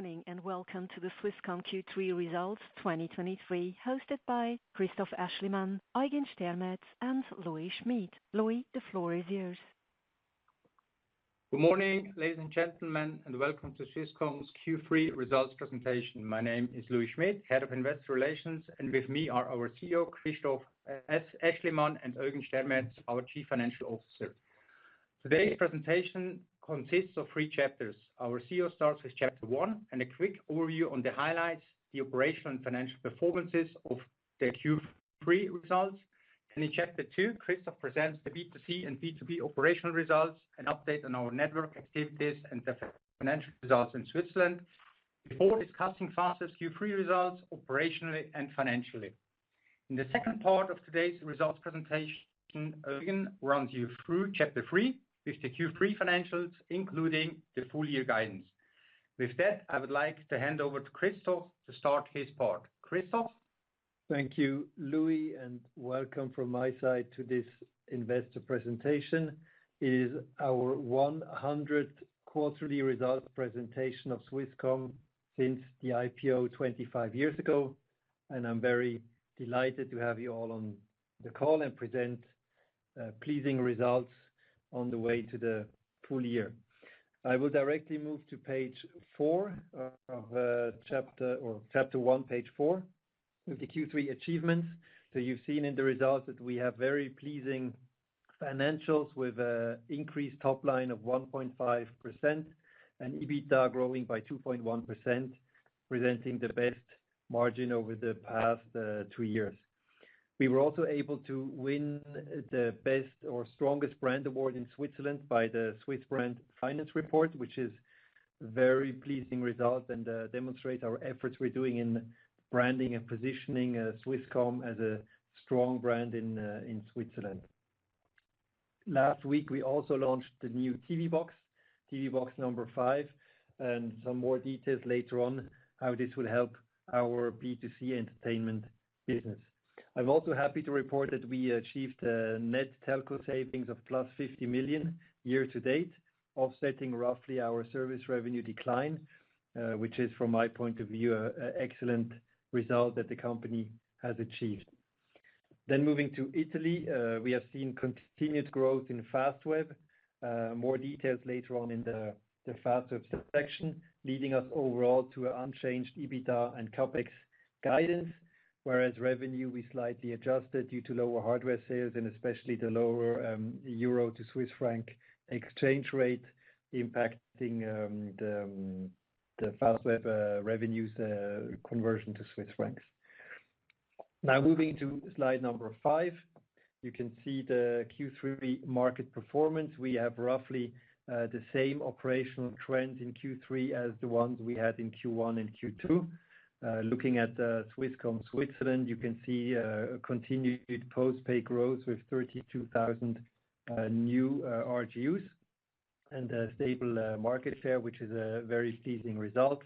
Good morning, and welcome to the Swisscom Q3 Results 2023, hosted by Christoph Aeschlimann, Eugen Stermetz, and Louis Schmid. Louis, the floor is yours. Good morning, ladies and gentlemen, and welcome to Swisscom's Q3 results presentation. My name is Louis Schmid, Head of Investor Relations, and with me are our CEO, Christoph Aeschlimann, and Eugen Stermetz, our Chief Financial Officer. Today's presentation consists of three chapters. Our CEO starts with chapter one, and a quick overview on the highlights, the operational and financial performances of the Q3 results. In chapter two, Christoph presents the B2C and B2B operational results, an update on our network activities and the financial results in Switzerland. Before discussing Fastweb's Q3 results, operationally and financially. In the second part of today's results presentation, Eugen runs you through chapter three, with the Q3 financials, including the full year guidance. With that, I would like to hand over to Christoph to start his part. Christoph? Thank you, Louis, and welcome from my side to this investor presentation. It is our 100th quarterly results presentation of Swisscom since the IPO 25 years ago, and I'm very delighted to have you all on the call and present pleasing results on the way to the full year. I will directly move to page four of chapter-- or chapter one, page four, with the Q3 achievements. You've seen in the results that we have very pleasing financials with a increased top line of 1.5% and EBITDA growing by 2.1%, presenting the best margin over the past two years. We were also able to win the best or strongest brand award in Switzerland by the Swiss Brand Finance Report, which is very pleasing result, and, demonstrate our efforts we're doing in branding and positioning, Swisscom as a strong brand in, in Switzerland. Last week, we also launched the new TV-Box 5, and some more details later on how this will help our B2C entertainment business. I'm also happy to report that we achieved a net telco savings of +50 million year to date, offsetting roughly our service revenue decline, which is, from my point of view, a excellent result that the company has achieved. Then moving to Italy, we have seen continued growth in Fastweb. More details later on in the Fastweb section, leading us overall to an unchanged EBITDA and CapEx guidance, whereas revenue, we slightly adjusted due to lower hardware sales and especially the lower euro to Swiss franc exchange rate impacting the Fastweb revenues conversion to Swiss francs. Now, moving to slide number 5, you can see the Q3 market performance. We have roughly the same operational trend in Q3 as the ones we had in Q1 and Q2. Looking at Swisscom Switzerland, you can see a continued post-pay growth with 32,000 new RGUs, and a stable market share, which is a very pleasing result.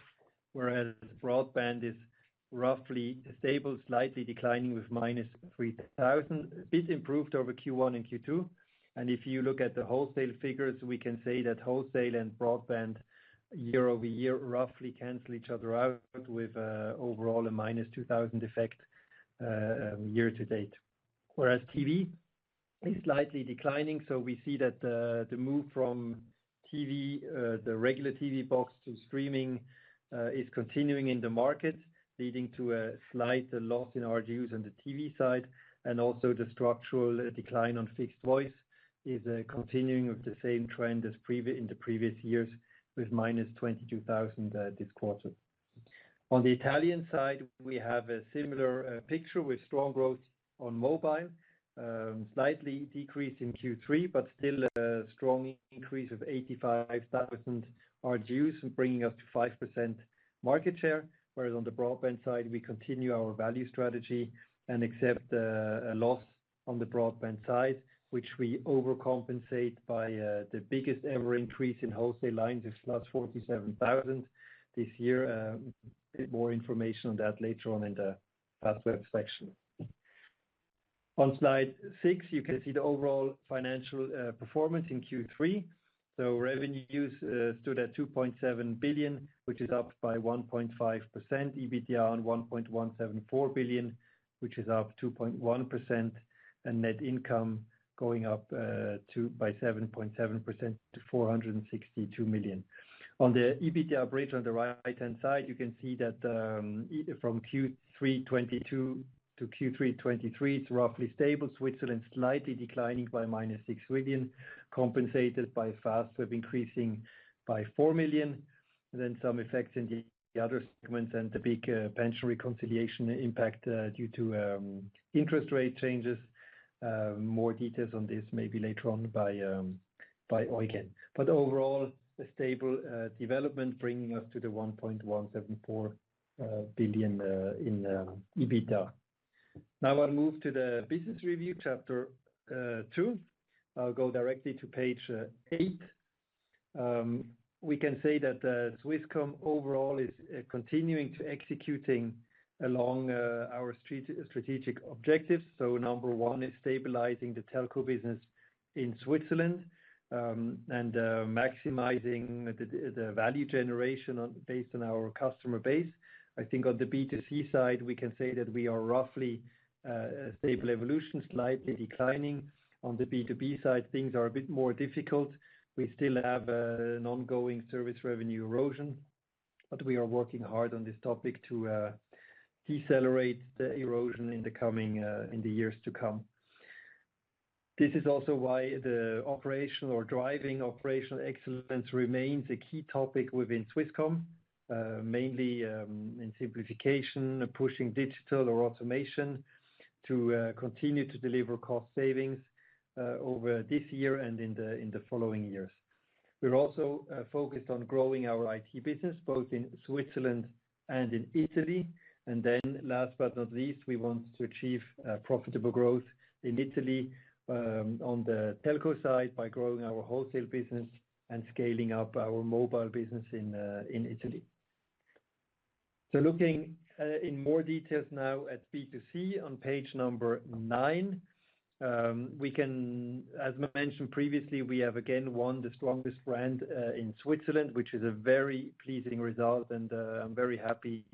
Whereas broadband is roughly stable, slightly declining with -3,000, this improved over Q1 and Q2. If you look at the wholesale figures, we can say that wholesale and broadband year-over-year roughly cancel each other out with overall a minus 2,000 effect year to date. Whereas TV is slightly declining, so we see that the move from TV, the regular TV box to streaming is continuing in the market, leading to a slight loss in RGUs on the TV side, and also the structural decline on fixed voice is a continuing of the same trend as in the previous years, with minus 22,000 this quarter. On the Italian side, we have a similar picture with strong growth on mobile, slightly decreased in Q3, but still a strong increase of 85,000 RGUs, bringing us to 5% market share. Whereas on the broadband side, we continue our value strategy and accept a loss on the broadband side, which we overcompensate by the biggest ever increase in wholesale lines of +47,000 this year. More information on that later on in the Fastweb section. On slide 6, you can see the overall financial performance in Q3. So revenues stood at 2.7 billion, which is up by 1.5%, EBITDA at 1.174 billion, which is up 2.1%, and net income going up by 7.7% to 462 million. On the EBITDA bridge on the right-hand side, you can see that from Q3 2022 to Q3 2023, it's roughly stable. Switzerland, slightly declining by -6 million, compensated by Fastweb, increasing by 4 million, and then some effects in the other segments and the big pension reconciliation impact, due to interest rate changes. More details on this maybe later on by Eugen. But overall, a stable development bringing us to 1.174 billion in EBITDA. Now, I'll move to the business review, chapter 2. I'll go directly to page 8. We can say that Swisscom overall is continuing to executing along our strategic objectives. So number 1 is stabilizing the telco business in Switzerland, and maximizing the value generation on based on our customer base. I think on the B2C side, we can say that we are roughly a stable evolution, slightly declining. On the B2B side, things are a bit more difficult. We still have an ongoing service revenue erosion, but we are working hard on this topic to decelerate the erosion in the coming, in the years to come. This is also why the operational or driving operational excellence remains a key topic within Swisscom. Mainly, in simplification, pushing digital or automation to continue to deliver cost savings over this year and in the following years. We're also focused on growing our IT business, both in Switzerland and in Italy. And then last but not least, we want to achieve profitable growth in Italy, on the telco side, by growing our wholesale business and scaling up our mobile business in Italy. So looking in more details now at B2C on page 9. We can- -as mentioned previously, we have again won the strongest brand in Switzerland, which is a very pleasing result, and I'm very happy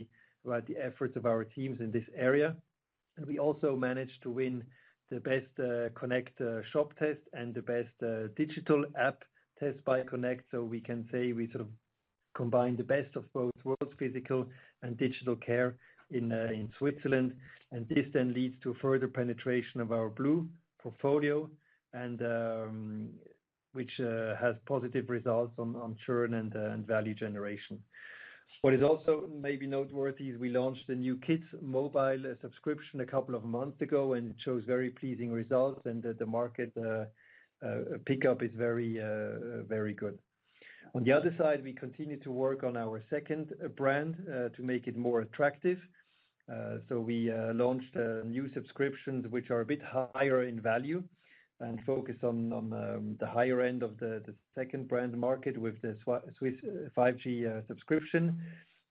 about the efforts of our teams in this area. We also managed to win the best Connect shop test and the best digital app test by Connect. So we can say we sort of combine the best of both worlds, physical and digital care, in Switzerland. This then leads to further penetration of our blue portfolio, and which has positive results on churn and value generation. What is also maybe noteworthy is we launched a new kids mobile subscription a couple of months ago, and it shows very pleasing results, and that the market pickup is very good. On the other side, we continue to work on our second brand to make it more attractive. We launched new subscriptions, which are a bit higher in value, and focus on the higher end of the second brand market with the Swiss 5G subscription.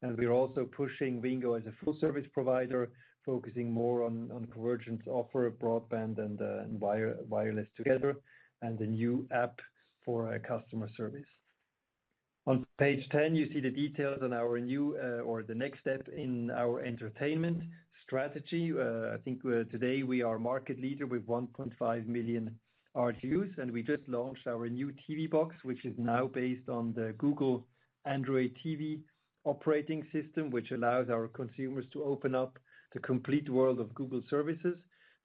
We're also pushing Wingo as a full service provider, focusing more on convergence offer, broadband and wireless together, and the new app for our customer service. On page 10, you see the details on our new or the next step in our entertainment strategy. I think today we are market leader with 1.5 million ARPU, and we just launched our new TV box, which is now based on the Google Android TV operating system. Which allows our consumers to open up the complete world of Google services,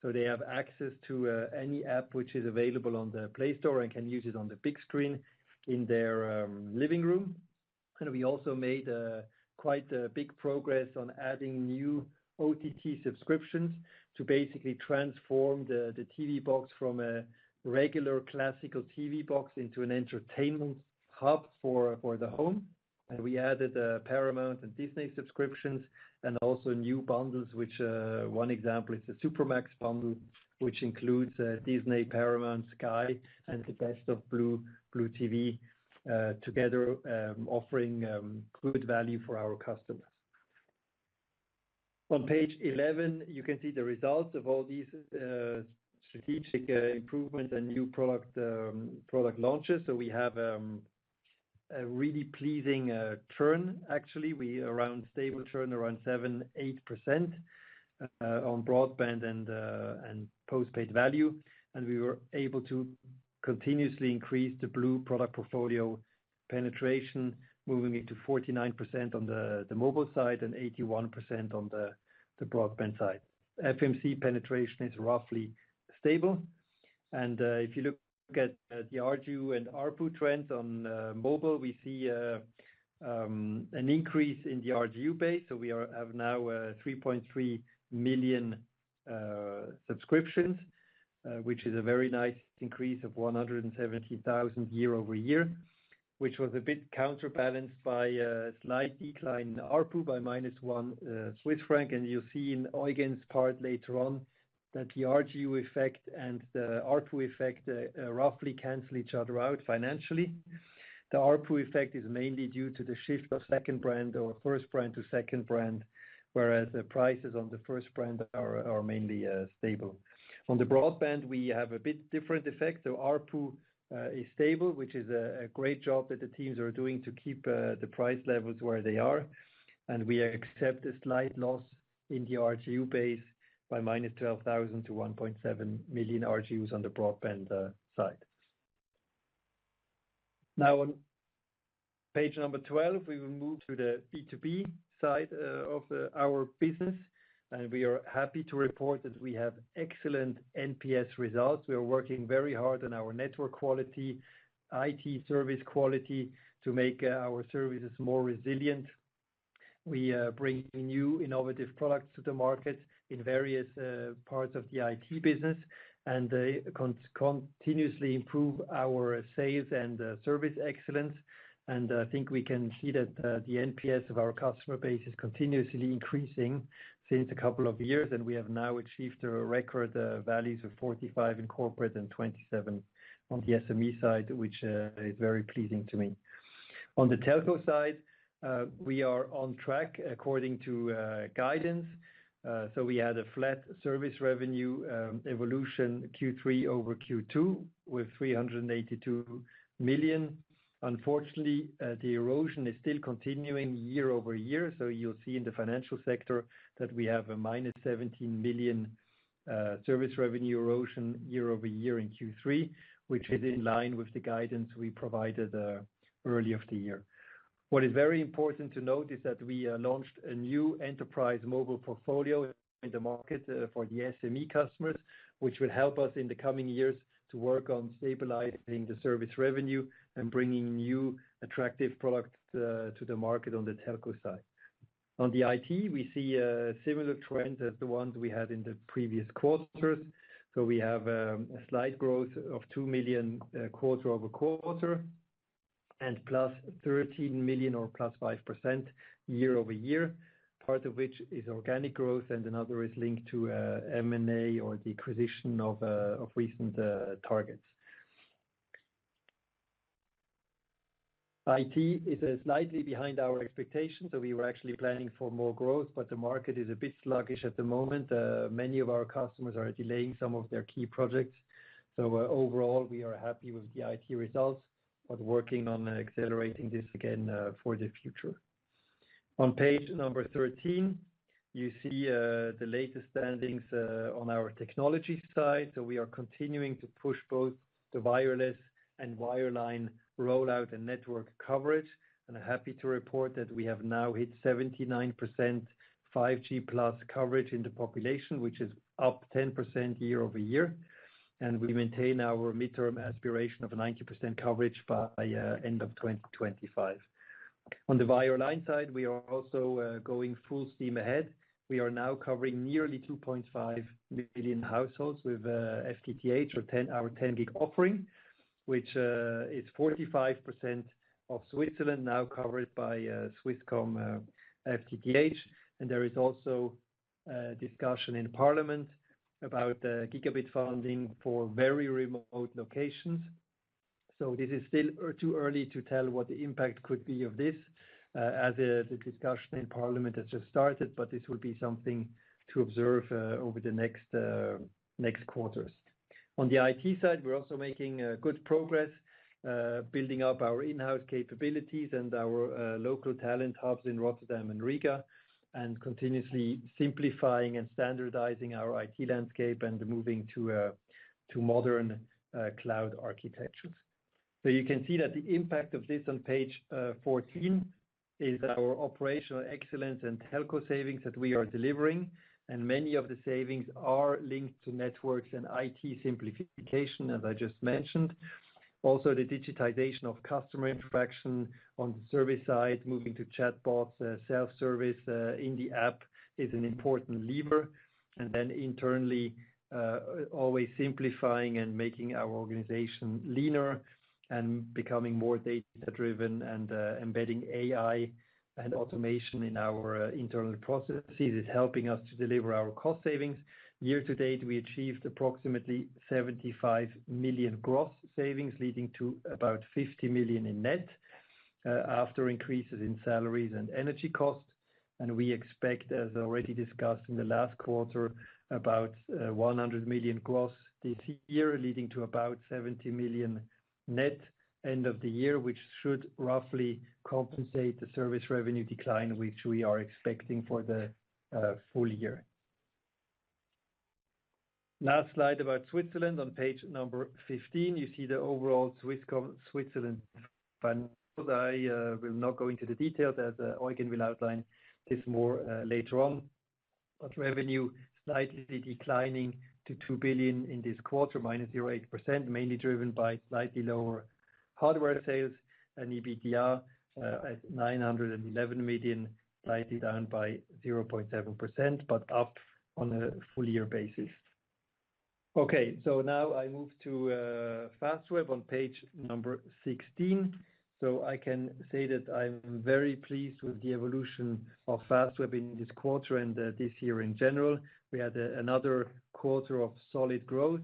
so they have access to any app which is available on the Play Store and can use it on the big screen in their living room. We also made quite a big progress on adding new OTT subscriptions to basically transform the TV box from a regular classical TV box into an entertainment hub for the home. We added Paramount and Disney subscriptions and also new bundles, which one example is the SuperMax bundle, which includes Disney, Paramount, Sky, and the best of blue, blue TV together, offering good value for our customers. On page 11, you can see the results of all these strategic improvements and new product launches. We have a really pleasing churn. Actually, we're around stable churn, around 7-8%, on broadband and postpaid value. And we were able to continuously increase the blue product portfolio penetration, moving it to 49% on the mobile side and 81% on the broadband side. FMC penetration is roughly stable, and if you look at the RGU and ARPU trends on mobile, we see an increase in the RGU base. So we have now 3.3 million subscriptions, which is a very nice increase of 170,000 year-over-year. Which was a bit counterbalanced by a slight decline in ARPU by -1 Swiss franc. And you'll see in Eugen's part later on, that the RGU effect and the ARPU effect roughly cancel each other out financially. The ARPU effect is mainly due to the shift of second brand or first brand to second brand, whereas the prices on the first brand are mainly stable. On the broadband, we have a bit different effect, so ARPU is stable, which is a great job that the teams are doing to keep the price levels where they are. We accept a slight loss in the RGU base by -12,000 to 1.7 million RGUs on the broadband side. Now on page 12, we will move to the B2B side of our business, and we are happy to report that we have excellent NPS results. We are working very hard on our network quality, IT service quality, to make our services more resilient. We bring new innovative products to the market in various parts of the IT business, and they continuously improve our sales and service excellence. And I think we can see that the NPS of our customer base is continuously increasing since a couple of years, and we have now achieved record values of 45 in corporate and 27 on the SME side, which is very pleasing to me. On the telco side, we are on track according to guidance. So we had a flat service revenue evolution Q3 over Q2, with 382 million. Unfortunately, the erosion is still continuing year-over-year, so you'll see in the financial sector that we have a -17 million service revenue erosion year-over-year in Q3, which is in line with the guidance we provided early of the year. What is very important to note is that we launched a new Enterprise Mobile portfolio in the market for the SME customers, which will help us in the coming years to work on stabilizing the service revenue and bringing new attractive products to the market on the telco side. On the IT, we see a similar trend as the ones we had in the previous quarters. So we have a slight growth of 2 million quarter-over-quarter, and plus 13 million or plus 5% year-over-year, part of which is organic growth and another is linked to M&A or the acquisition of of recent targets. IT is slightly behind our expectations, so we were actually planning for more growth, but the market is a bit sluggish at the moment. Many of our customers are delaying some of their key projects. So overall, we are happy with the IT results, but working on accelerating this again for the future. On page number 13, you see the latest standings on our technology side. So we are continuing to push both the wireless and wireline rollout and network coverage, and are happy to report that we have now hit 79% 5G+ coverage in the population, which is up 10% year-over-year, and we maintain our midterm aspiration of 90% coverage by end of 2025. On the wireline side, we are also going full steam ahead. We are now covering nearly 2.5 million households with FTTH or 10- our 10 gig offering, which is 45% of Switzerland now covered by Swisscom FTTH. And there is also a discussion in parliament about gigabit funding for very remote locations. So this is still too early to tell what the impact could be of this, as the discussion in parliament has just started, but this will be something to observe over the next next quarters. On the IT side, we're also making good progress building up our in-house capabilities and our local talent hubs in Rotterdam and Riga, and continuously simplifying and standardizing our IT landscape and moving to to modern cloud architectures. So you can see that the impact of this on page 14 is our operational excellence and telco savings that we are delivering, and many of the savings are linked to networks and IT simplification, as I just mentioned. Also, the digitization of customer interaction on the service side, moving to chatbots, self-service in the app, is an important lever. Then internally, always simplifying and making our organization leaner and becoming more data-driven and, embedding AI and automation in our, internal processes is helping us to deliver our cost savings. Year to date, we achieved approximately 75 million gross savings, leading to about 50 million in net, after increases in salaries and energy costs. We expect, as already discussed in the last quarter, about, 100 million gross this year, leading to about 70 million net end of the year, which should roughly compensate the service revenue decline, which we are expecting for the, full year. Last slide about Switzerland. On page number 15, you see the overall Swisscom Switzerland financial. I will not go into the detail, as, Eugen will outline this more, later on. But revenue slightly declining to 2 billion in this quarter, -0.8%, mainly driven by slightly lower hardware sales and EBITDA at 911 million, slightly down by 0.7%, but up on a full-year basis. Okay, so now I move to Fastweb on page 16. So I can say that I'm very pleased with the evolution of Fastweb in this quarter and this year in general. We had another quarter of solid growth,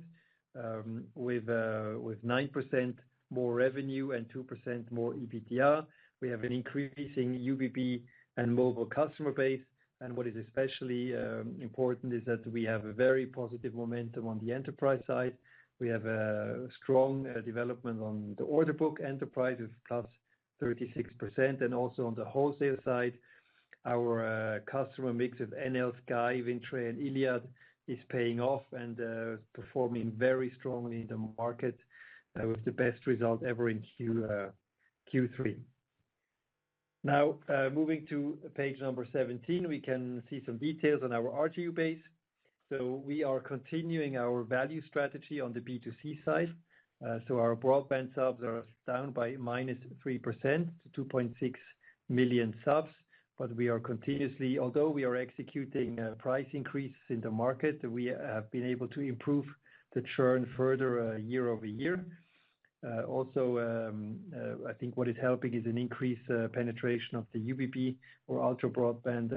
with 9% more revenue and 2% more EBITDA. We have an increasing UBB and mobile customer base, and what is especially important is that we have a very positive momentum on the enterprise side. We have a strong development on the order book. Enterprise is +36%, and also on the wholesale side, our customer mix with Enel, Sky, Wind Tre, and Iliad is paying off and performing very strongly in the market with the best result ever in Q3. Now, moving to page number 17, we can see some details on our RGU base. So we are continuing our value strategy on the B2C side. So our broadband subs are down by -3% to 2.6 million subs, but we are continuously, although we are executing price increases in the market, we have been able to improve the churn further year-over-year. Also, I think what is helping is an increased penetration of the UBB or ultra broadband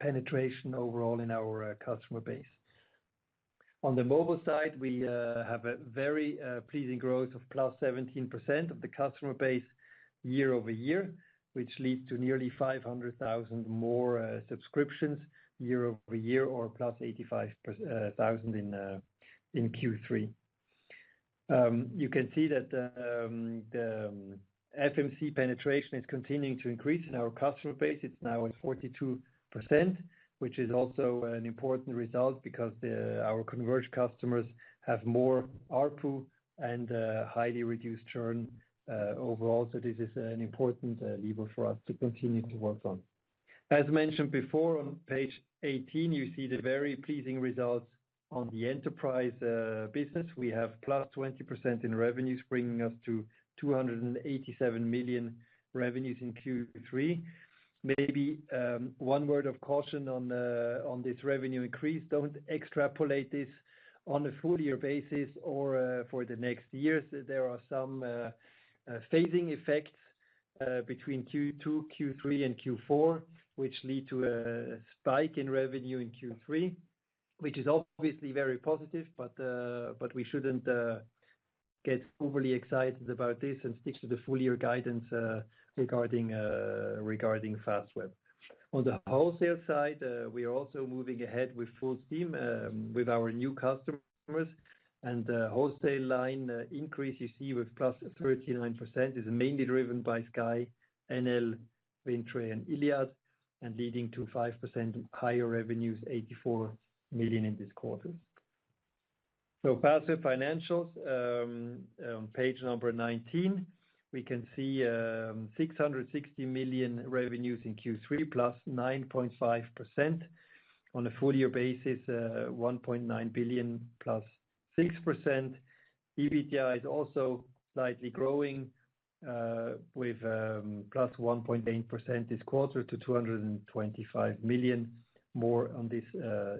penetration overall in our customer base. On the mobile side, we have a very pleasing growth of +17% of the customer base year-over-year, which leads to nearly 500,000 more subscriptions year-over-year, or +85,000 in Q3. You can see that the FMC penetration is continuing to increase in our customer base. It's now at 42%, which is also an important result because our converged customers have more ARPU and highly reduced churn overall. So this is an important lever for us to continue to work on. As mentioned before, on page 18, you see the very pleasing results on the enterprise business. We have +20% in revenues, bringing us to 287 million in revenues in Q3. Maybe one word of caution on this revenue increase. Don't extrapolate this on a full year basis or for the next years. There are some phasing effects between Q2, Q3, and Q4, which lead to a spike in revenue in Q3, which is obviously very positive. But we shouldn't get overly excited about this and stick to the full year guidance regarding Fastweb. On the wholesale side, we are also moving ahead with full steam with our new customers. And the wholesale line increase you see with +39% is mainly driven by Sky, Enel, Wind Tre, and Iliad, and leading to 5% higher revenues, 84 million in this quarter. So Fastweb financials, page 19, we can see, 660 million revenues in Q3, +9.5%. On a full year basis, 1.9 billion +6%. EBITDA is also slightly growing, with, +1.8% this quarter to 225 million. More on this,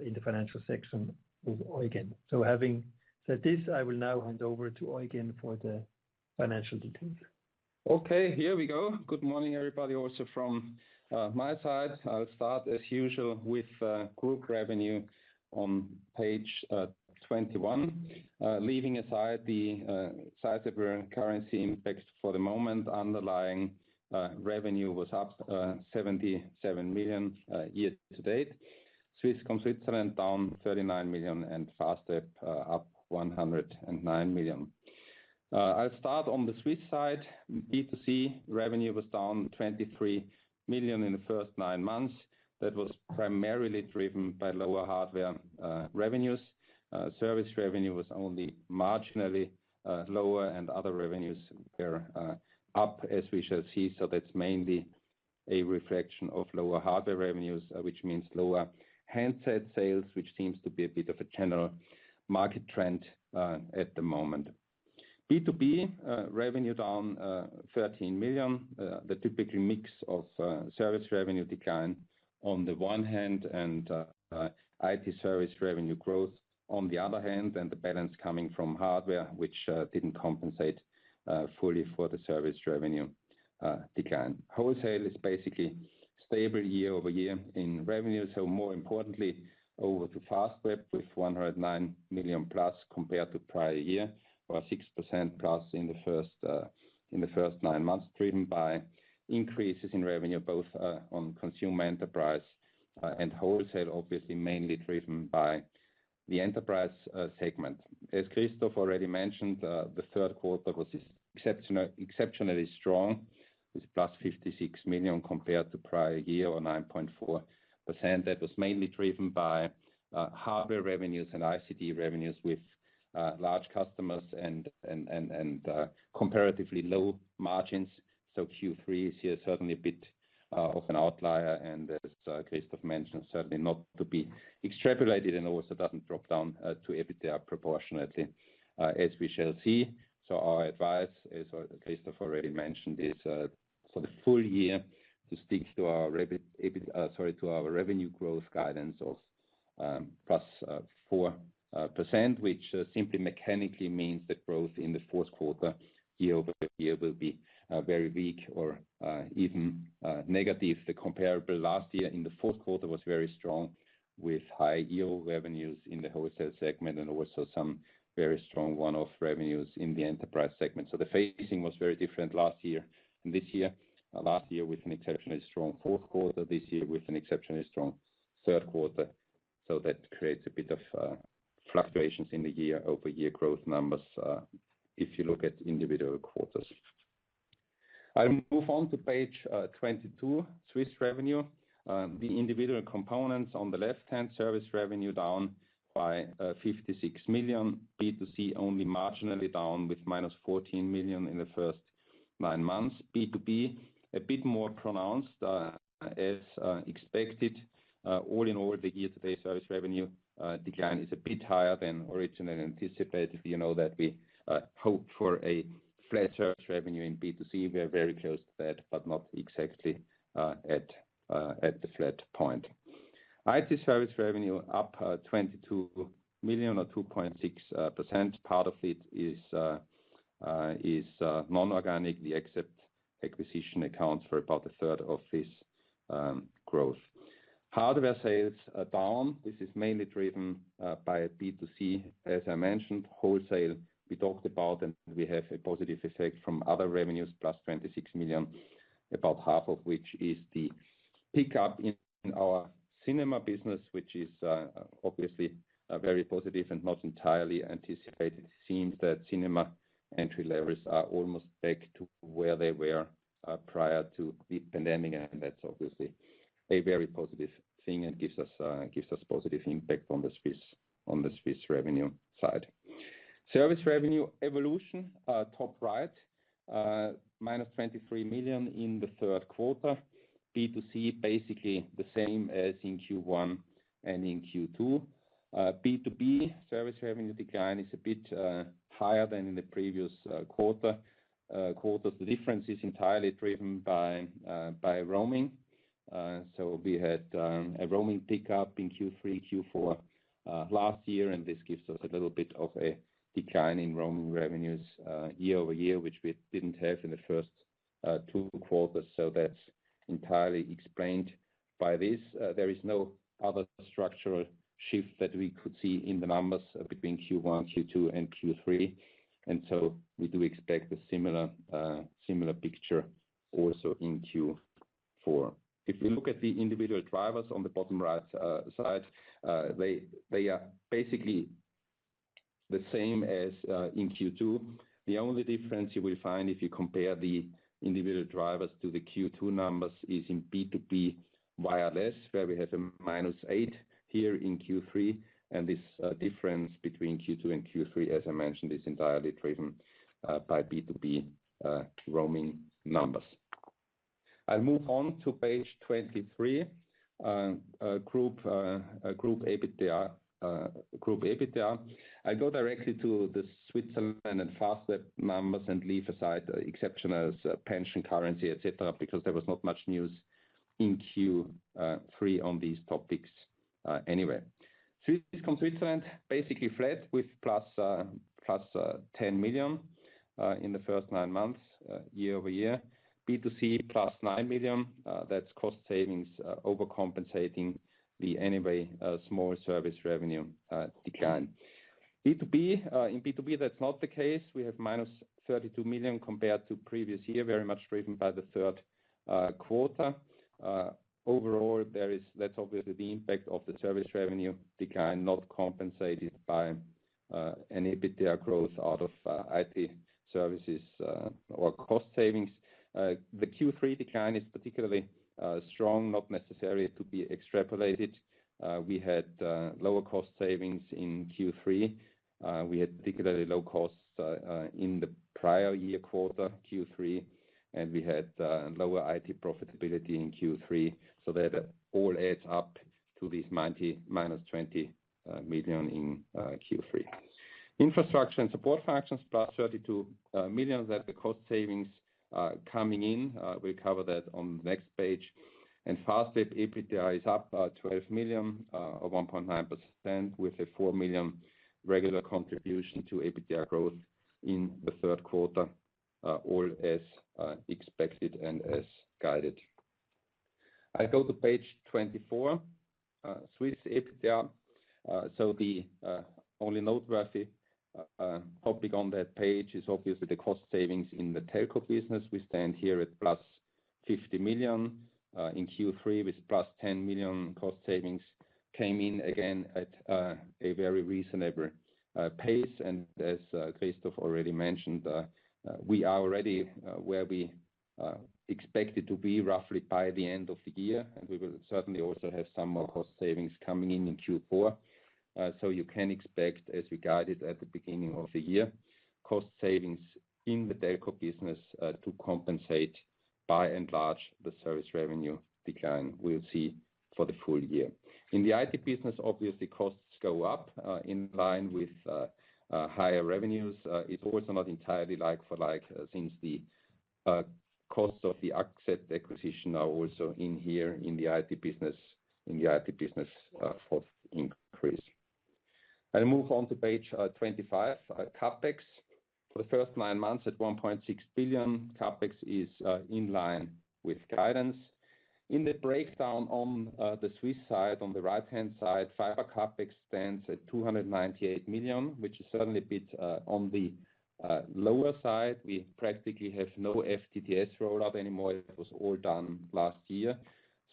in the financial section with Eugen. So having said this, I will now hand over to Eugen for the financial details. Okay, here we go. Good morning, everybody. Also from my side, I'll start as usual with group revenue on page 21. Leaving aside the cryptocurrency impacts for the moment, underlying revenue was up 77 million year to date. Swisscom Switzerland down 39 million, and Fastweb up 109 million. I'll start on the Swiss side. B2C revenue was down 23 million in the first nine months. That was primarily driven by lower hardware revenues. Service revenue was only marginally lower, and other revenues were up, as we shall see. So that's mainly a reflection of lower hardware revenues, which means lower handset sales, which seems to be a bit of a general market trend at the moment. B2B revenue down 13 million. The typical mix of service revenue decline on the one hand and IT service revenue growth on the other hand, and the balance coming from hardware, which didn't compensate fully for the service revenue decline. Wholesale is basically stable year-over-year in revenues, so more importantly over to Fastweb, with 109 million plus compared to prior year, or 6% plus in the first nine months, driven by increases in revenue both on consumer enterprise and wholesale, obviously mainly driven by the enterprise segment. As Christoph already mentioned, the third quarter was exceptionally strong, with 56 million plus compared to prior year or 9.4%. That was mainly driven by hardware revenues and ICT revenues with large customers and comparatively low margins. So Q3 is here certainly a bit of an outlier, and as Christoph mentioned, certainly not to be extrapolated and also doesn't drop down to EBITDA proportionately, as we shall see. So our advice, as Christoph already mentioned, is for the full year to stick to our revenue growth guidance of +4%, which simply mechanically means that growth in the fourth quarter, year-over-year, will be very weak or even negative. The comparable last year in the fourth quarter was very strong, with high yield revenues in the wholesale segment and also some very strong one-off revenues in the enterprise segment. So the phasing was very different last year and this year. Last year with an exceptionally strong fourth quarter, this year with an exceptionally strong third quarter. So that creates a bit of fluctuations in the year-over-year growth numbers, if you look at individual quarters. I'll move on to page 22, Swiss revenue. The individual components on the left-hand service revenue down by 56 million. B2C, only marginally down with -14 million in the first nine months. B2B, a bit more pronounced, as expected, all in all, the year-to-date service revenue decline is a bit higher than originally anticipated. You know, that we hope for a flat service revenue in B2C. We are very close to that, but not exactly at the flat point. IT service revenue up 22 million or 2.6%. Part of it is non-organic. The Axept acquisition accounts for about a third of this growth. Hardware sales are down. This is mainly driven by B2C, as I mentioned, wholesale, we talked about, and we have a positive effect from other revenues, plus 26 million, about half of which is the pickup in our cinema business, which is obviously very positive and not entirely anticipated. It seems that cinema entry levels are almost back to where they were prior to the pandemic, and that's obviously a very positive thing and gives us positive impact on the Swiss revenue side. Service revenue evolution, top right, minus 23 million in the third quarter. B2C, basically the same as in Q1 and in Q2. B2B service revenue decline is a bit higher than in the previous quarter. The difference is entirely driven by roaming. So we had a roaming pickup in Q3, Q4 last year, and this gives us a little bit of a decline in roaming revenues year over year, which we didn't have in the first two quarters. So that's entirely explained by this. There is no other structural shift that we could see in the numbers between Q1, Q2, and Q3, and so we do expect a similar picture also in Q4. If you look at the individual drivers on the bottom right side, they are basically the same as in Q2. The only difference you will find if you compare the individual drivers to the Q2 numbers is in B2B wireless, where we have a -8 here in Q3, and this difference between Q2 and Q3, as I mentioned, is entirely driven by B2B roaming numbers. I'll move on to page 23. Group EBITDA. I go directly to the Switzerland and Fastweb numbers and leave aside the exceptionals, pension, currency, et cetera, because there was not much news in Q3 on these topics, anyway. Swiss from Switzerland basically flat with +10 million in the first nine months year-over-year. B2C +9 million, that's cost savings overcompensating the anyway small service revenue decline. B2B, in B2B, that's not the case. We have -32 million compared to previous year, very much driven by the third quarter. Overall, that's obviously the impact of the service revenue decline, not compensated by an EBITDA growth out of IT services or cost savings. The Q3 decline is particularly strong, not necessarily to be extrapolated. We had lower cost savings in Q3. We had particularly low costs in the prior year quarter, Q3, and we had lower IT profitability in Q3. So that all adds up to this 90, minus 20 million in Q3. Infrastructure and support functions, plus 32 million. That's the cost savings coming in. We cover that on the next page. Fastweb EBITDA is up 12 million or 1.9%, with a 4 million regular contribution to EBITDA growth in the third quarter, all as expected and as guided. I go to page 24, Swiss EBITDA. So the only noteworthy topic on that page is obviously the cost savings in the telco business. We stand here at +50 million in Q3, with +10 million cost savings came in again at a very reasonable pace. As Christoph already mentioned, we are already where we expected to be roughly by the end of the year, and we will certainly also have some more cost savings coming in in Q4. So you can expect, as we guided at the beginning of the year, cost savings in the telco business to compensate by and large the service revenue decline we'll see for the full year. In the IT business, obviously, costs go up in line with higher revenues. It's also not entirely like for like, since the costs of the Axept acquisition are also in here in the IT business, in the IT business, for increase. I'll move on to page 25, CapEx. For the first nine months, at 1.6 billion, CapEx is in line with guidance. In the breakdown on the Swiss side, on the right-hand side, fiber CapEx stands at 298 million, which is certainly a bit on the lower side. We practically have no FTTS rollout anymore. It was all done last year.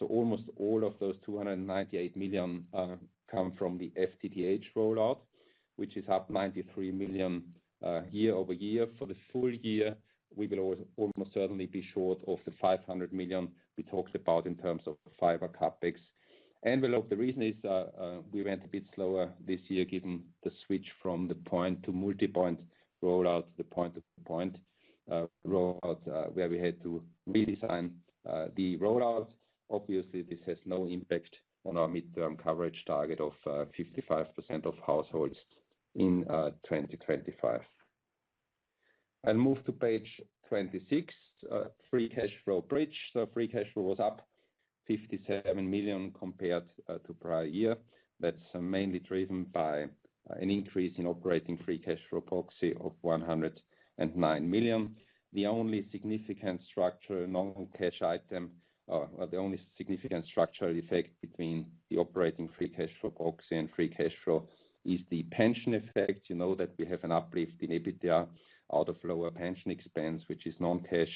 So almost all of those 298 million come from the FTTH rollout, which is up 93 million year-over-year. For the full year, we will almost certainly be short of the 500 million we talked about in terms of fiber CapEx envelope. The reason is, we went a bit slower this year, given the switch from the point to multipoint rollout, the point-to-point rollout, where we had to redesign the rollout. Obviously, this has no impact on our mid-term coverage target of 55% of households in 2025. I'll move to page 26, free cash flow bridge. So free cash flow was up 57 million compared to prior year. That's mainly driven by an increase in operating free cash flow proxy of 109 million. The only significant structural non-cash item, or, or the only significant structural effect between the operating free cash flow proxy and free cash flow is the pension effect. You know that we have an uplift in EBITDA out of lower pension expense, which is non-cash.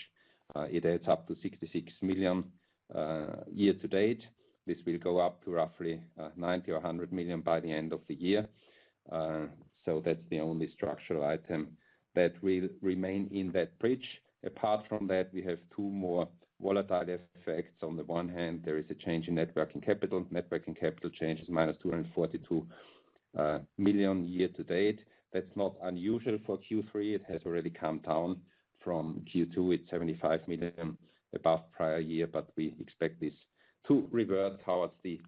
It adds up to 66 million year to date. This will go up to roughly 90 or 100 million by the end of the year. So that's the only structural item that will remain in that bridge. Apart from that, we have two more volatile effects. On the one hand, there is a change in net working capital. Net working capital change is -242 million year to date. That's not unusual for Q3. It has already come down from Q2. It's 75 million above prior year, but we expect this to revert towards the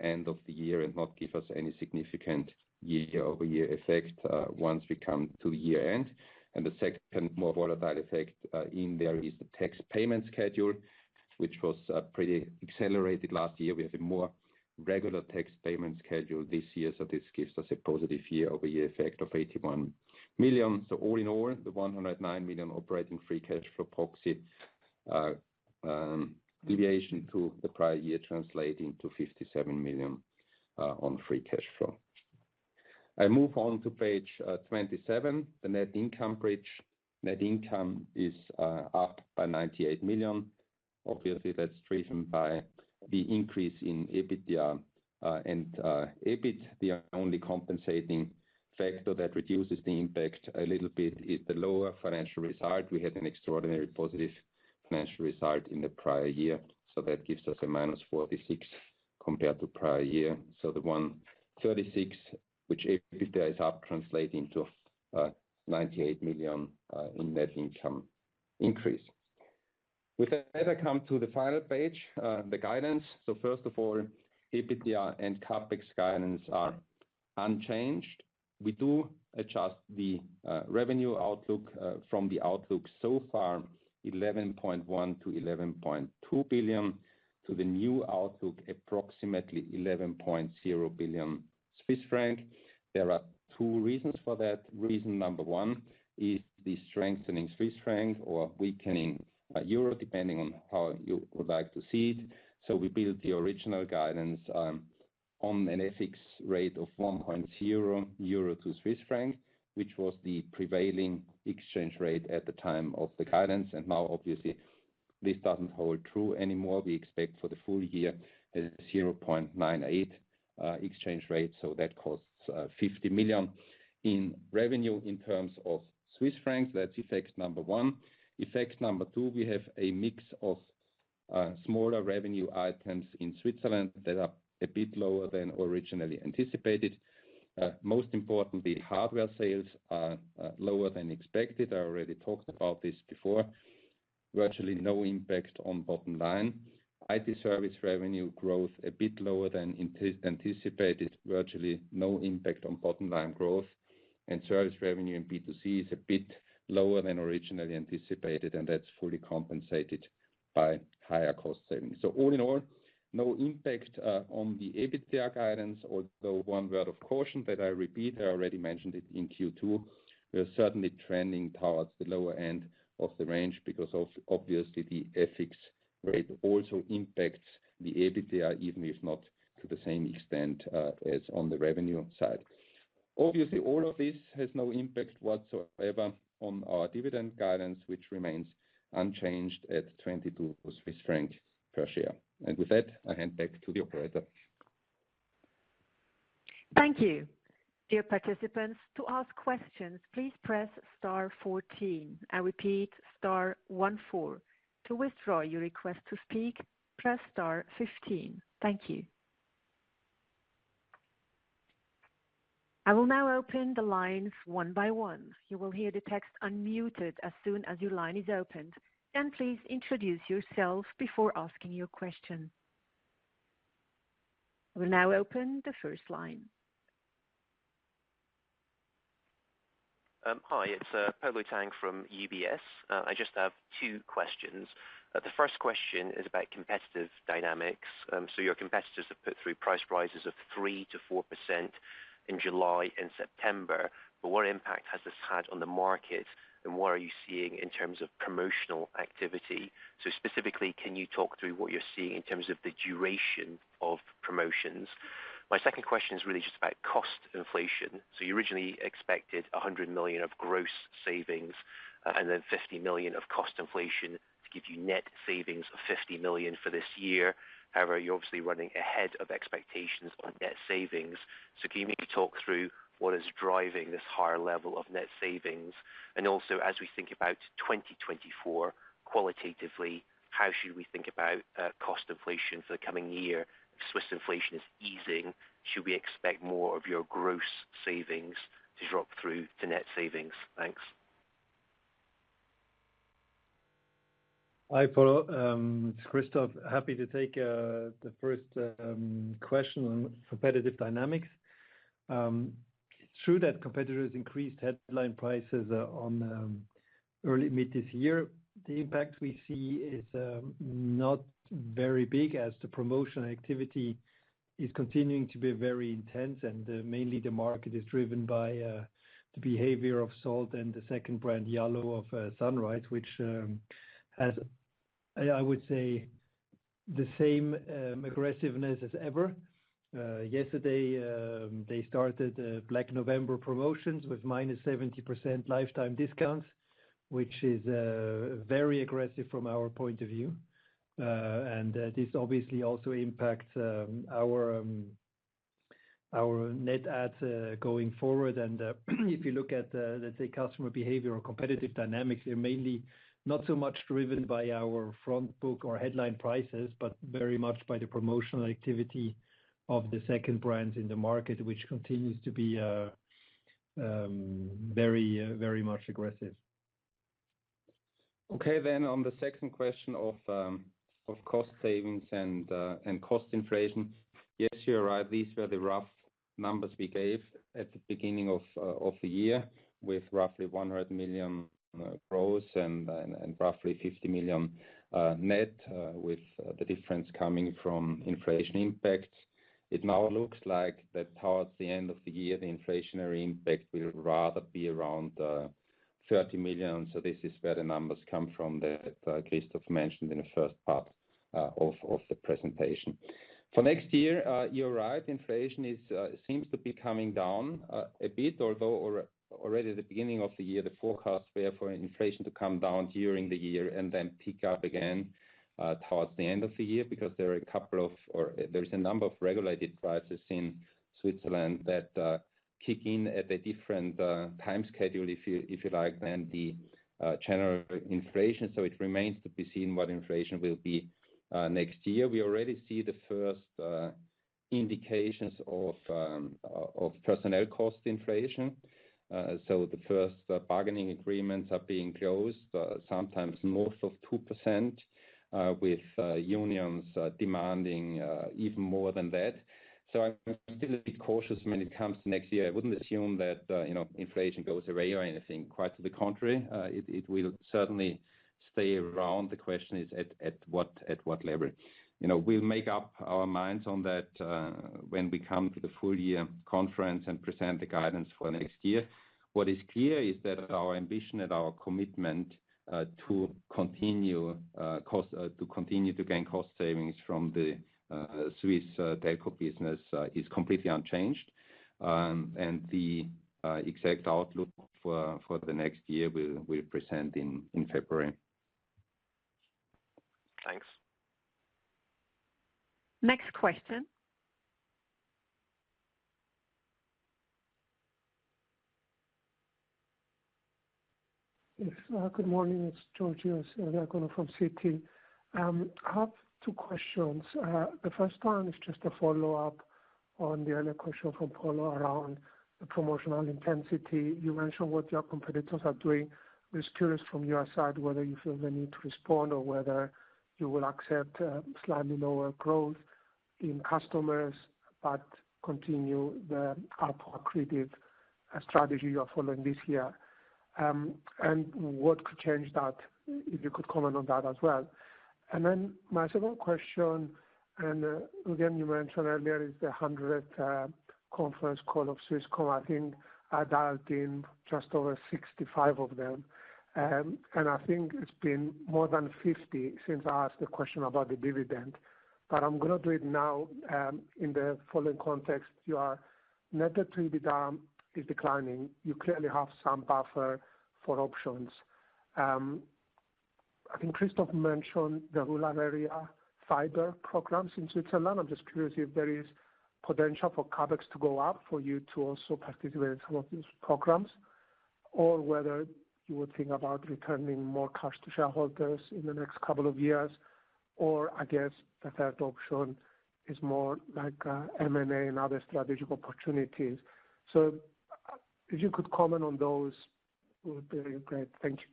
end of the year and not give us any significant year-over-year effect once we come to the year end. And the second more volatile effect in there is the tax payment schedule, which was pretty accelerated last year. We have a more regular tax payment schedule this year, so this gives us a positive year-over-year effect of 81 million. So all in all, the 109 million operating free cash flow proxy deviation to the prior year translating to 57 million on free cash flow. I move on to page 27, the net income bridge. Net income is up by 98 million. Obviously, that's driven by the increase in EBITDA, and EBITDA only compensating factor that reduces the impact a little bit is the lower financial result. We had an extraordinary positive financial result in the prior year, so that gives us a -46 compared to prior year. So the 136, which EBITDA is up, translating to 98 million CHF in net income increase. With that, I come to the final page, the guidance. So first of all, EBITDA and CapEx guidance are unchanged. We do adjust the revenue outlook from the outlook so far, 11.1-11.2 billion CHF, to the new outlook, approximately 11.0 billion Swiss franc. There are two reasons for that. Reason number 1 is the strengthening Swiss franc or weakening euro, depending on how you would like to see it. So we built the original guidance on an exchange rate of 1.0 euro to Swiss franc, which was the prevailing exchange rate at the time of the guidance. And now, obviously, this doesn't hold true anymore. We expect for the full year a 0.98 exchange rate, so that costs 50 million in revenue in terms of Swiss francs. That's effect number one. Effect number two, we have a mix of smaller revenue items in Switzerland that are a bit lower than originally anticipated. Most importantly, hardware sales are lower than expected. I already talked about this before. Virtually no impact on bottom line. IT service revenue growth a bit lower than anticipated. Virtually no impact on bottom line growth. Service revenue in B2C is a bit lower than originally anticipated, and that's fully compensated by higher cost savings. So all in all, no impact on the EBITDA guidance, although one word of caution that I repeat, I already mentioned it in Q2. We are certainly trending towards the lower end of the range because of obviously, the churn rate also impacts the EBITDA, even if not to the same extent as on the revenue side. Obviously, all of this has no impact whatsoever on our dividend guidance, which remains unchanged at 22 Swiss franc per share. And with that, I hand back to the operator. Thank you. Dear participants, to ask questions, please press star 14. I repeat, star 1 4. To withdraw your request to speak, press star 15. Thank you. I will now open the lines one by one. You will hear the text unmuted as soon as your line is opened. Please introduce yourself before asking your question. I will now open the first line. Hi, it's Polo Tang from UBS. I just have two questions. The first question is about competitive dynamics. So your competitors have put through price rises of 3%-4% in July and September, but what impact has this had on the market, and what are you seeing in terms of promotional activity? So specifically, can you talk through what you're seeing in terms of the duration of promotions? My second question is really just about cost inflation. So you originally expected 100 million of gross savings, and then 50 million of cost inflation to give you net savings of 50 million for this year. However, you're obviously running ahead of expectations on net savings. So can you maybe talk through what is driving this higher level of net savings? And also, as we think about 2024 qualitatively, how should we think about cost inflation for the coming year? If Swiss inflation is easing, should we expect more of your gross savings to drop through to net savings? Thanks. Hi, Polo, it's Christoph. Happy to take the first question on competitive dynamics. True that competitors increased headline prices on early mid this year. The impact we see is not very big as the promotional activity is continuing to be very intense, and mainly the market is driven by the behavior of Salt and the second brand, Yallo, of Sunrise, which has, I, I would say, the same aggressiveness as ever. Yesterday they started a Black November promotions with minus 70% lifetime discounts, which is very aggressive from our point of view. And this obviously also impacts our net adds going forward. If you look at, let's say, customer behavior or competitive dynamics, they're mainly not so much driven by our front book or headline prices, but very much by the promotional activity of the second brands in the market, which continues to be very much aggressive. Okay, then on the second question of cost savings and cost inflation. Yes, you're right. These were the rough numbers we gave at the beginning of the year, with roughly 100 million gross and roughly 50 million net, with the difference coming from inflation impacts. It now looks like that towards the end of the year, the inflationary impact will rather be around 30 million. So this is where the numbers come from, that Christoph mentioned in the first part of the presentation. For next year, you're right, inflation seems to be coming down a bit, although already the beginning of the year, the forecasts were for inflation to come down during the year and then pick up again towards the end of the year. Because there are a couple of, or there's a number of regulated prices in Switzerland that kick in at a different time schedule, if you like, than the general inflation. So it remains to be seen what inflation will be next year. We already see the first indications of personnel cost inflation. So the first bargaining agreements are being closed, sometimes north of 2%, with unions demanding even more than that. So I'm still a bit cautious when it comes to next year. I wouldn't assume that, you know, inflation goes away or anything. Quite to the contrary, it will certainly stay around. The question is at what level? You know, we'll make up our minds on that when we come to the full year conference and present the guidance for next year. What is clear is that our ambition and our commitment to continue to gain cost savings from the Swiss telco business is completely unchanged. The exact outlook for the next year, we'll present in February. Thanks. Next question. Yes, good morning. It's Georgios Ierodiaconou from Citi. I have two questions. The first one is just a follow-up on the earlier question from Polo around the promotional intensity. You mentioned what your competitors are doing. Just curious from your side, whether you feel the need to respond or whether you will accept, slightly lower growth in customers, but continue the accretive strategy you are following this year. And what could change that, if you could comment on that as well? And then my second question, and, again, you mentioned earlier, is the 100th, conference call of Swisscom. I think I dialed in just over 65 of them. And I think it's been more than 50 since I asked the question about the dividend, but I'm gonna do it now, in the following context. Your net debt to EBITDA is declining. You clearly have some buffer for options. I think Christoph mentioned the rural area fiber programs in Switzerland. I'm just curious if there is potential for CapEx to go up, for you to also participate in some of these programs, or whether you would think about returning more cash to shareholders in the next couple of years. Or I guess the third option is more like, M&A and other strategic opportunities. So if you could comment on those, would be great. Thank you.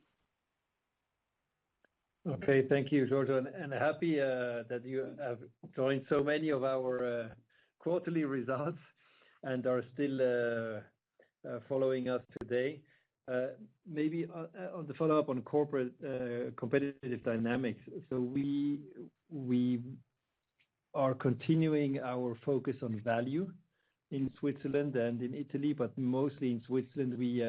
Okay. Thank you, Georgios, and happy that you have joined so many of our quarterly results and are still following us today. Maybe on the follow-up on current competitive dynamics. So we are continuing our focus on value in Switzerland and in Italy, but mostly in Switzerland. We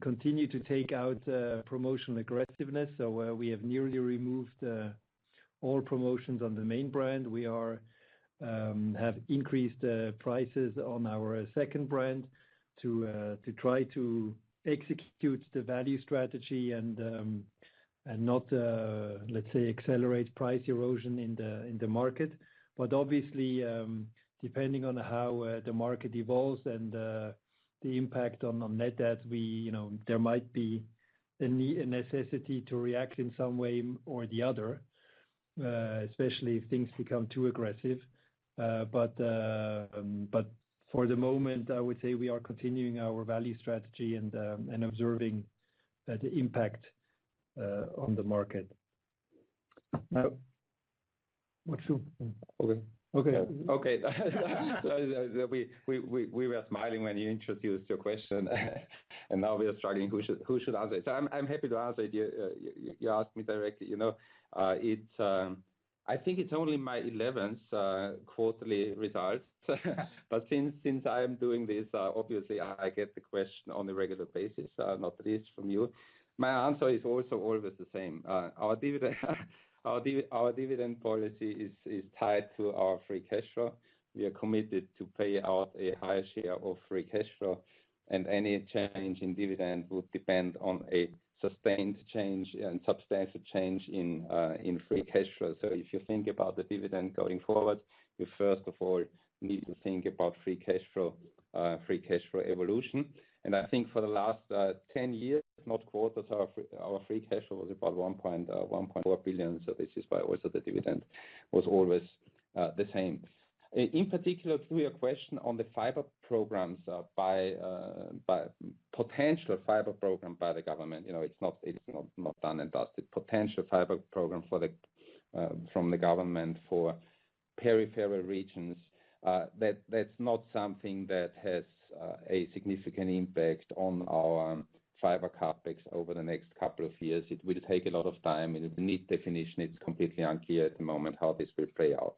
continue to take out promotional aggressiveness, so we have nearly removed all promotions on the main brand. We have increased prices on our second brand to try to execute the value strategy and not, let's say, accelerate price erosion in the market. But obviously, depending on how the market evolves and the impact on net adds, you know, there might be a necessity to react in some way or the other. Especially if things become too aggressive. But for the moment, I would say we are continuing our value strategy and observing the impact on the market. Now, Maksu? Okay. We were smiling when you introduced your question, and now we are struggling who should answer. So I'm happy to answer it. You asked me directly. You know, I think it's only my 11th quarterly result. But since I'm doing this, obviously I get the question on a regular basis, not least from you. My answer is also always the same. Our dividend policy is tied to our free cash flow. We are committed to pay out a high share of free cash flow, and any change in dividend would depend on a sustained change and substantial change in free cash flow. So if you think about the dividend going forward, you first of all need to think about free cash flow, free cash flow evolution. And I think for the last 10 years, not quarters, our free cash flow was about 1.4 billion. So this is why also the dividend was always the same. In particular, to your question on the fiber programs, by potential fiber program by the government, you know, it's not done and dusted. Potential fiber program from the government for peripheral regions, that's not something that has a significant impact on our fiber CapEx over the next couple of years. It will take a lot of time, and the neat definition, it's completely unclear at the moment how this will play out.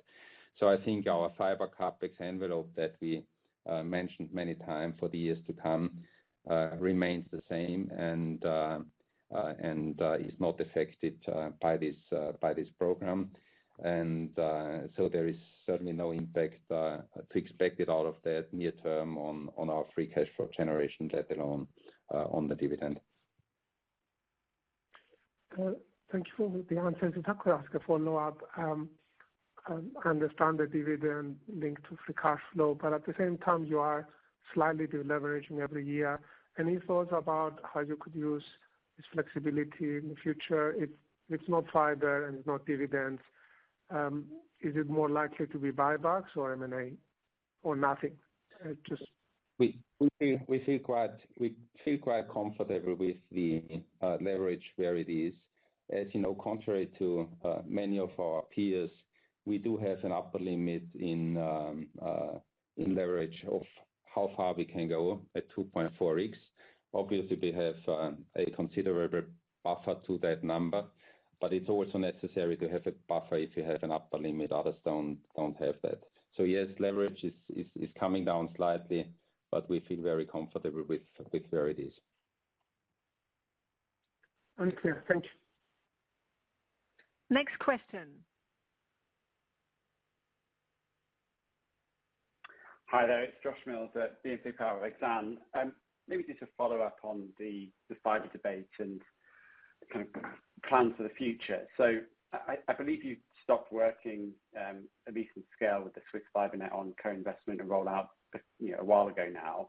So I think our fiber CapEx envelope that we mentioned many times for the years to come remains the same and is not affected by this program. And so there is certainly no impact to expect out of that near term on our free cash flow generation, let alone on the dividend. Thank you for the answers. If I could ask a follow-up. I understand the dividend linked to free cash flow, but at the same time, you are slightly de-leveraging every year. Any thoughts about how you could use this flexibility in the future? If it's not fiber and it's not dividends, is it more likely to be buybacks or M&A or nothing? Just- We feel quite comfortable with the leverage where it is. As you know, contrary to many of our peers, we do have an upper limit in leverage of how far we can go at 2.4x. Obviously, we have a considerable buffer to that number, but it's also necessary to have a buffer if you have an upper limit. Others don't have that. So yes, leverage is coming down slightly, but we feel very comfortable with where it is. All clear. Thank you. Next question. Hi there. It's Josh Mills at BNP Paribas Exane. Maybe just to follow up on the fiber debate and kind of plan for the future. I believe you stopped working, at least in scale, with the Swiss Fibre Net on co-investment and rollout, you know, a while ago now.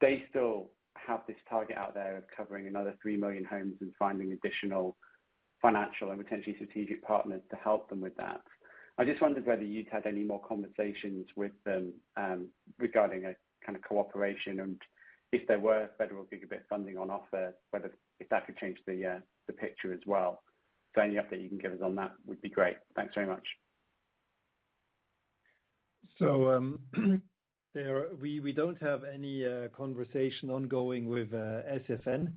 They still have this target out there of covering another 3 million homes and finding additional financial and potentially strategic partners to help them with that. I just wondered whether you'd had any more conversations with them, regarding a kind of cooperation and if there were federal gigabit funding on offer, whether if that could change the picture as well. So any update you can give us on that would be great. Thanks very much. So, we don't have any conversation ongoing with SFN.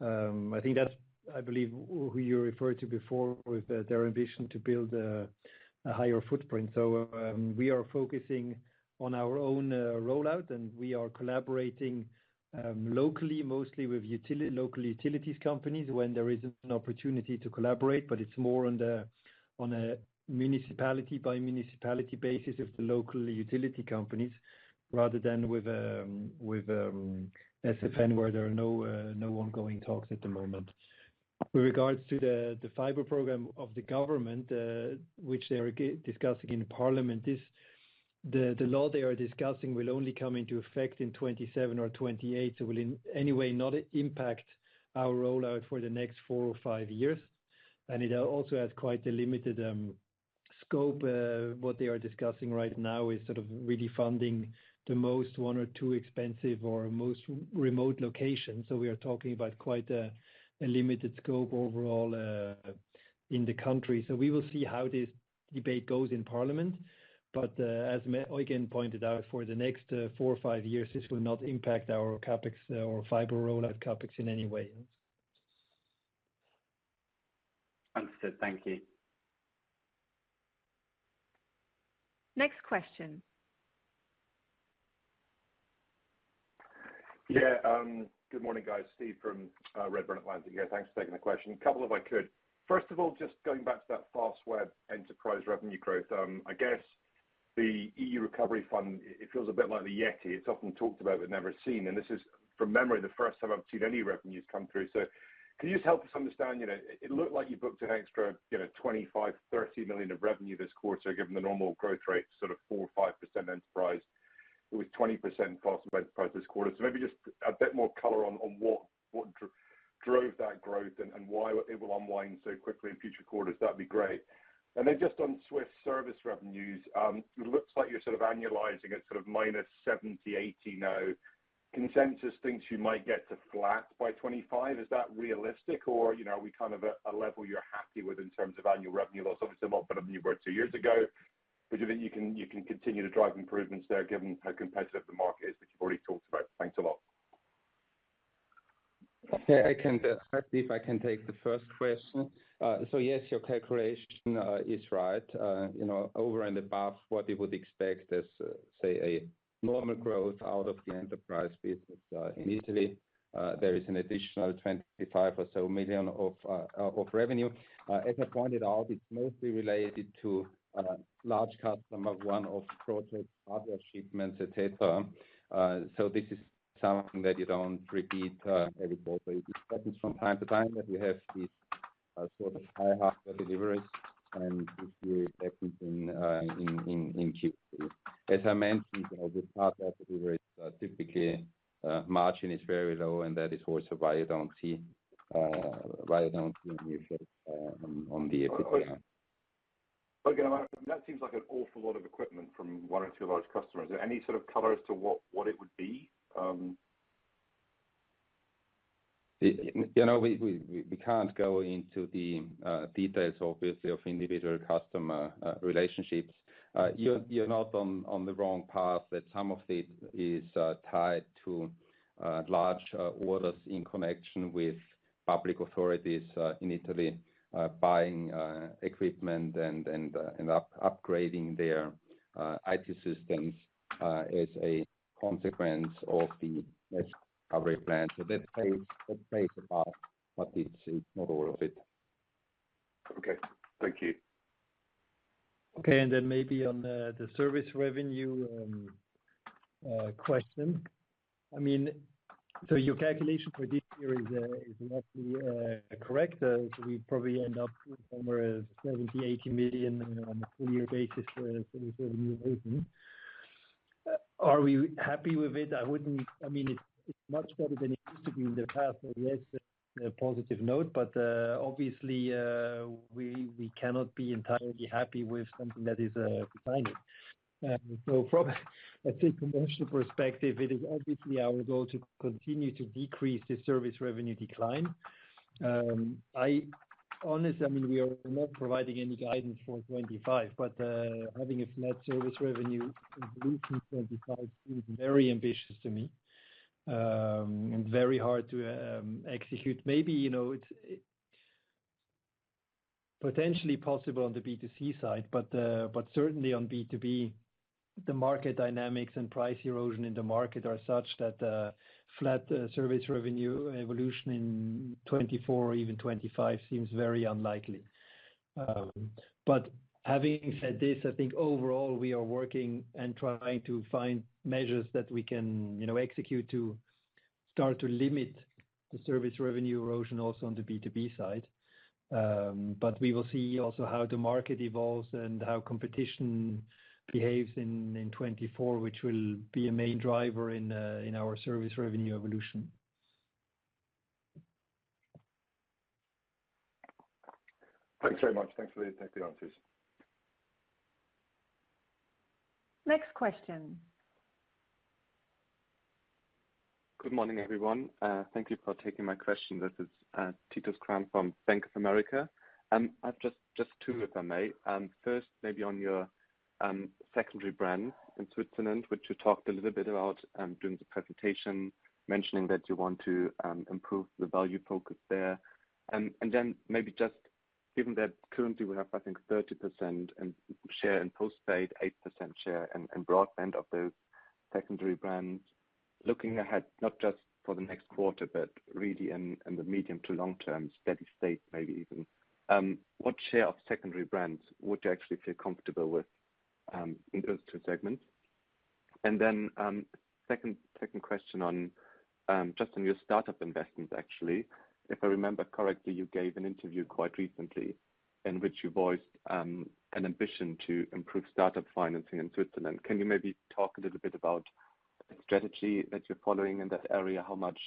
I think that's, I believe, who you referred to before with their ambition to build a higher footprint. So, we are focusing on our own rollout, and we are collaborating locally, mostly with local utilities companies when there is an opportunity to collaborate. But it's more on a municipality-by-municipality basis of the local utility companies, rather than with SFN, where there are no ongoing talks at the moment. With regards to the fiber program of the government, which they are discussing in parliament, the law they are discussing will only come into effect in 2027 or 2028. So it will in any way not impact our rollout for the next four or five years, and it also has quite a limited scope. What they are discussing right now is sort of really funding the most one or two expensive or most remote locations. So we are talking about quite a limited scope overall in the country. So we will see how this debate goes in parliament, but as Eugen pointed out, for the next four or five years, this will not impact our CapEx or fiber rollout CapEx in any way. Understood. Thank you. Next question. Yeah, good morning, guys. Steve from Redburn Atlantic here. Thanks for taking the question. A couple, if I could. First of all, just going back to that Fastweb enterprise revenue growth, I guess the E.U. Recovery Fund, it feels a bit like the Yeti. It's often talked about but never seen, and this is, from memory, the first time I've seen any revenues come through. So can you just help us understand? You know, it, it looked like you booked an extra, you know, 25 million-30 million of revenue this quarter, given the normal growth rate, sort of 4% or 5% enterprise. It was 20% faster this quarter. So maybe just a bit more color on, on what drove that growth and why it will unwind so quickly in future quarters, that'd be great. And then just on Swiss service revenues, it looks like you're sort of annualizing it, sort of minus 70-80 now. Consensus thinks you might get to flat by 2025. Is that realistic or, you know, are we kind of at a level you're happy with in terms of annual revenue loss? Obviously, not where you were two years ago, but do you think you can, you can continue to drive improvements there given how competitive the market is, which you've already talked about? Thanks a lot. Okay, I can, if I can take the first question. So yes, your calculation is right. You know, over and above what you would expect as, say, a normal growth out of the enterprise business. In Italy, there is an additional 25 million or so of revenue. As I pointed out, it's mostly related to large customer, one-off projects, other shipments, et cetera. So this is something that you don't repeat every quarter. It happens from time to time, that we have these sort of high hardware deliveries, and this year it happened in Q3. As I mentioned, you know, this hardware delivery typically margin is very low, and that is also why you don't see why you don't see an effect on the equipment. Okay, that seems like an awful lot of equipment from one or two large customers. Any sort of color as to what, what it would be? You know, we can't go into the details, obviously, of individual customer relationships. You're not on the wrong path, that some of it is tied to large orders in connection with public authorities in Italy buying equipment and upgrading their IT systems as a consequence of the next recovery plan. So that plays a part, but it's not all of it. Okay, thank you. Okay, and then maybe on the service revenue question. I mean, so your calculation for this year is mostly correct. So we probably end up with somewhere 70 million-80 million on a full year basis for service revenue. Are we happy with it? I wouldn't. I mean, it's much better than it used to be in the past, so yes, a positive note, but obviously, we cannot be entirely happy with something that is declining. So from a commercial perspective, it is obviously our goal to continue to decrease the service revenue decline. I honestly, I mean, we are not providing any guidance for 2025, but having a flat service revenue through to 2025 seems very ambitious to me, and very hard to execute. Maybe, you know, potentially possible on the B2C side, but, but certainly on B2B, the market dynamics and price erosion in the market are such that, flat, service revenue evolution in 2024 or even 2025 seems very unlikely. But having said this, I think overall, we are working and trying to find measures that we can, you know, execute to start to limit the service revenue erosion also on the B2B side. But we will see also how the market evolves and how competition behaves in, in 2024, which will be a main driver in, in our service revenue evolution. Thanks very much. Thanks for the answers. Next question. Good morning, everyone. Thank you for taking my question. This is Titus Krahn from Bank of America. I've just two, if I may. First, maybe on your secondary brand in Switzerland, which you talked a little bit about during the presentation, mentioning that you want to improve the value focus there. And then maybe just given that currently we have, I think, 30% share in postpaid, 8% share in broadband of those secondary brands, looking ahead, not just for the next quarter, but really in the medium to long-term, steady state, maybe even what share of secondary brands would you actually feel comfortable with in those two segments? And then second question on just on your startup investments actually. If I remember correctly, you gave an interview quite recently in which you voiced an ambition to improve startup financing in Switzerland. Can you maybe talk a little bit about the strategy that you're following in that area? How much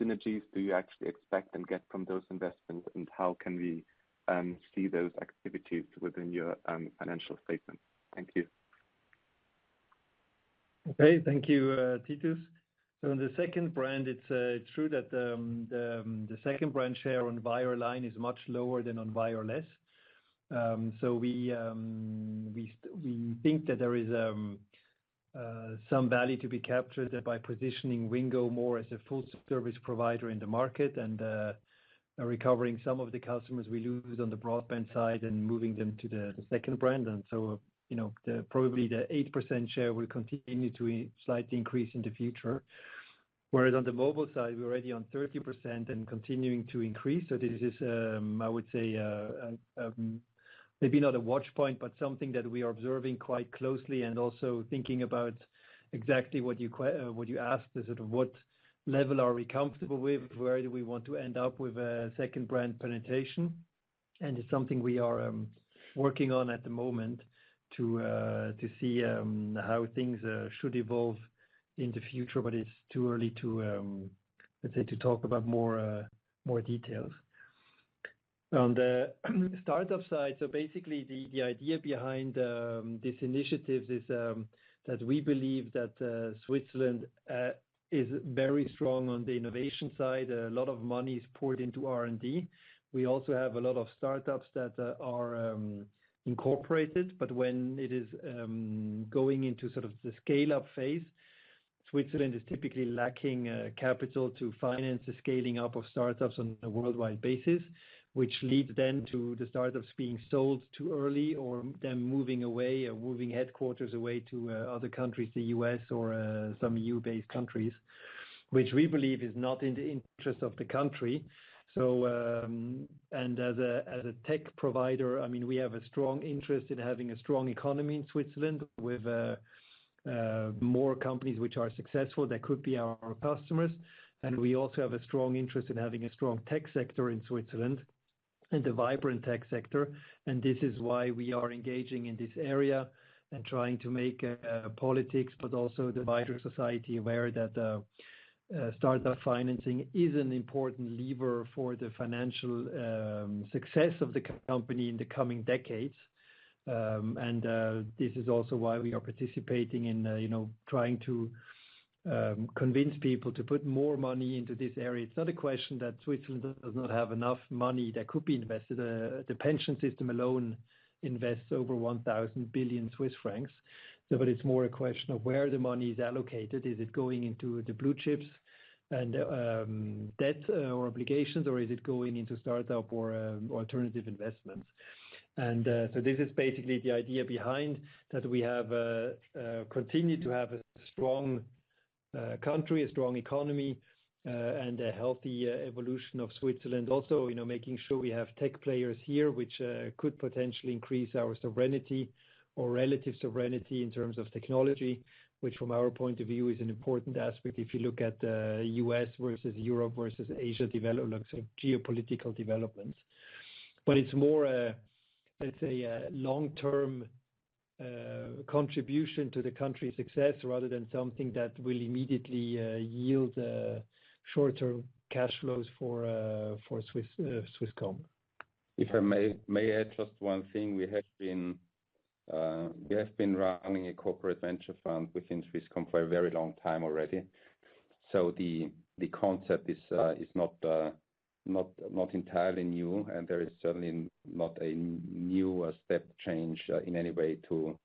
synergies do you actually expect and get from those investments, and how can we see those activities within your financial statement? Thank you. Okay, thank you, Titus. So on the second brand, it's true that the second brand share on buy online is much lower than on buy or less. So we think that there is some value to be captured by positioning Wingo more as a full service provider in the market and recovering some of the customers we lose on the broadband side and moving them to the second brand. And so, you know, probably the 8% share will continue to slightly increase in the future. Whereas on the mobile side, we're already on 30% and continuing to increase. So this is, I would say, maybe not a watch point, but something that we are observing quite closely and also thinking about exactly what you asked, is sort of what level are we comfortable with? Where do we want to end up with a second brand penetration? And it's something we are working on at the moment to see how things should evolve in the future. But it's too early to, let's say, to talk about more details. On the startup side, so basically, the idea behind this initiative is that we believe that Switzerland is very strong on the innovation side. A lot of money is poured into R&D. We also have a lot of startups that are incorporated, but when it is going into sort of the scale-up phase, Switzerland is typically lacking capital to finance the scaling up of startups on a worldwide basis. Which leads then to the startups being sold too early or them moving away or moving headquarters away to other countries, the U.S. or some E.U.-based countries, which we believe is not in the interest of the country. So, and as a tech provider, I mean, we have a strong interest in having a strong economy in Switzerland with more companies which are successful, that could be our customers. And we also have a strong interest in having a strong tech sector in Switzerland, and a vibrant tech sector. This is why we are engaging in this area and trying to make politics, but also the wider society aware that startup financing is an important lever for the financial success of the company in the coming decades. And this is also why we are participating in you know trying to convince people to put more money into this area. It's not a question that Switzerland does not have enough money that could be invested. The pension system alone invests over 1,000 billion Swiss francs. But it's more a question of where the money is allocated. Is it going into the blue chips and debt or obligations, or is it going into startup or alternative investments? So this is basically the idea behind that we have continued to have a strong country, a strong economy, and a healthy evolution of Switzerland. Also, you know, making sure we have tech players here, which could potentially increase our sovereignty or relative sovereignty in terms of technology, which from our point of view is an important aspect if you look at U.S. versus Europe versus Asia, like geopolitical developments. But it's more a, let's say, a long-term contribution to the country's success, rather than something that will immediately yield short-term cash flows for Swisscom. If I may add just one thing. We have been running a corporate venture fund within Swisscom for a very long time already. So the concept is not entirely new, and there is certainly not a new step change in any way to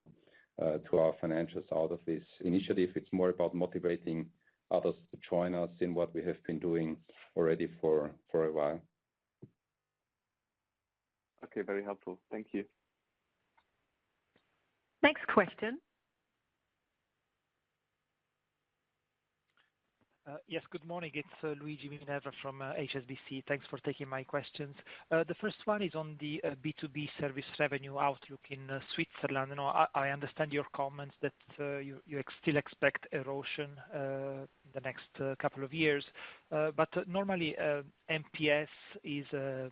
our financials out of this initiative. It's more about motivating others to join us in what we have been doing already for a while. Okay, very helpful. Thank you. Next question? Yes, good morning. It's Luigi Minerva from HSBC. Thanks for taking my questions. The first one is on the B2B service revenue outlook in Switzerland. You know, I understand your comments that you still expect erosion the next couple of years. But normally, NPS is a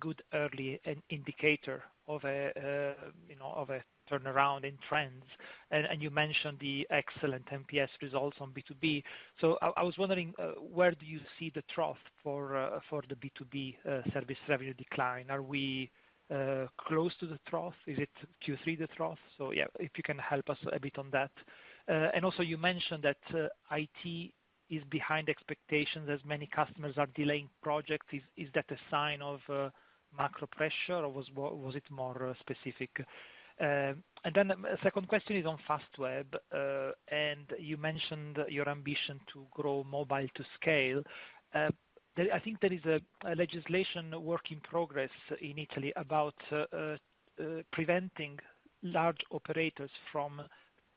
good early indicator of a, you know, of a turnaround in trends. And you mentioned the excellent NPS results on B2B. So I was wondering where do you see the trough for the B2B service revenue decline? Are we close to the trough? Is it Q3, the trough? So, yeah, if you can help us a bit on that. And also you mentioned that IT is behind expectations as many customers are delaying projects. Is that a sign of macro pressure, or was it more specific? And then the second question is on Fastweb. And you mentioned your ambition to grow mobile to scale. There, I think there is a legislation work in progress in Italy about preventing large operators from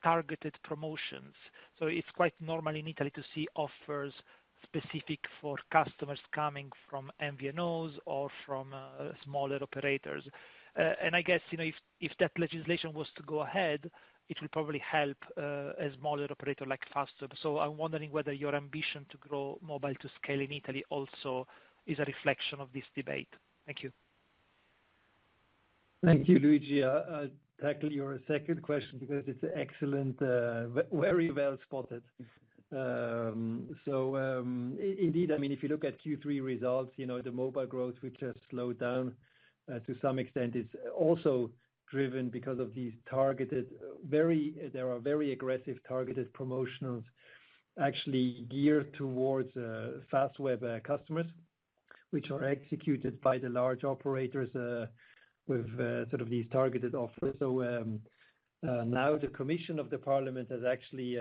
targeted promotions. So it's quite normal in Italy to see offers specific for customers coming from MVNOs or from smaller operators. And I guess, you know, if that legislation was to go ahead, it will probably help a smaller operator like Fastweb. So I'm wondering whether your ambition to grow mobile to scale in Italy also is a reflection of this debate. Thank you. Thank you, Luigi. I'll tackle your second question because it's excellent, very well spotted. So, indeed, I mean, if you look at Q3 results, you know, the mobile growth, which has slowed down, to some extent, is also driven because of these targeted, very—there are very aggressive, targeted promotionals actually geared towards, Fastweb customers, which are executed by the large operators, with, sort of these targeted offers. So, now the commission of the parliament has actually,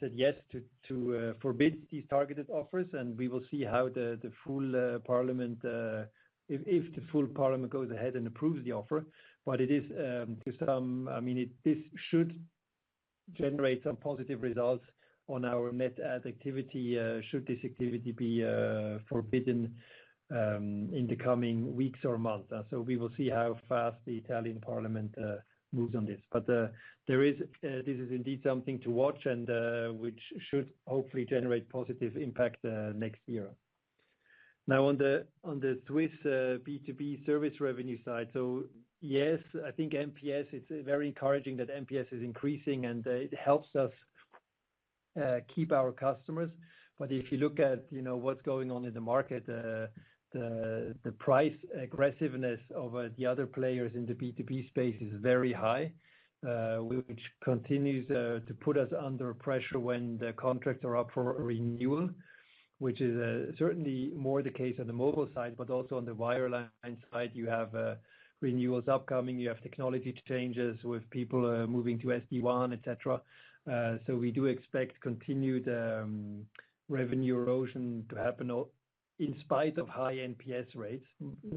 said yes to, to, forbid these targeted offers, and we will see how the, the full, parliament, if, if the full parliament goes ahead and approves the offer. But it is, to some, I mean, it, this should generate some positive results on our net add activity, should this activity be forbidden, in the coming weeks or months. So we will see how fast the Italian parliament moves on this. But, there is, this is indeed something to watch and, which should hopefully generate positive impact, next year. Now on the Swiss B2B service revenue side. So yes, I think NPS, it's very encouraging that NPS is increasing, and, it helps us keep our customers. But if you look at, you know, what's going on in the market, the price aggressiveness of the other players in the B2B space is very high, which continues to put us under pressure when the contracts are up for renewal. Which is certainly more the case on the mobile side, but also on the wireline side, you have renewals upcoming, you have technology changes with people moving to SD-WAN, et cetera. So we do expect continued revenue erosion to happen all in spite of high NPS rates.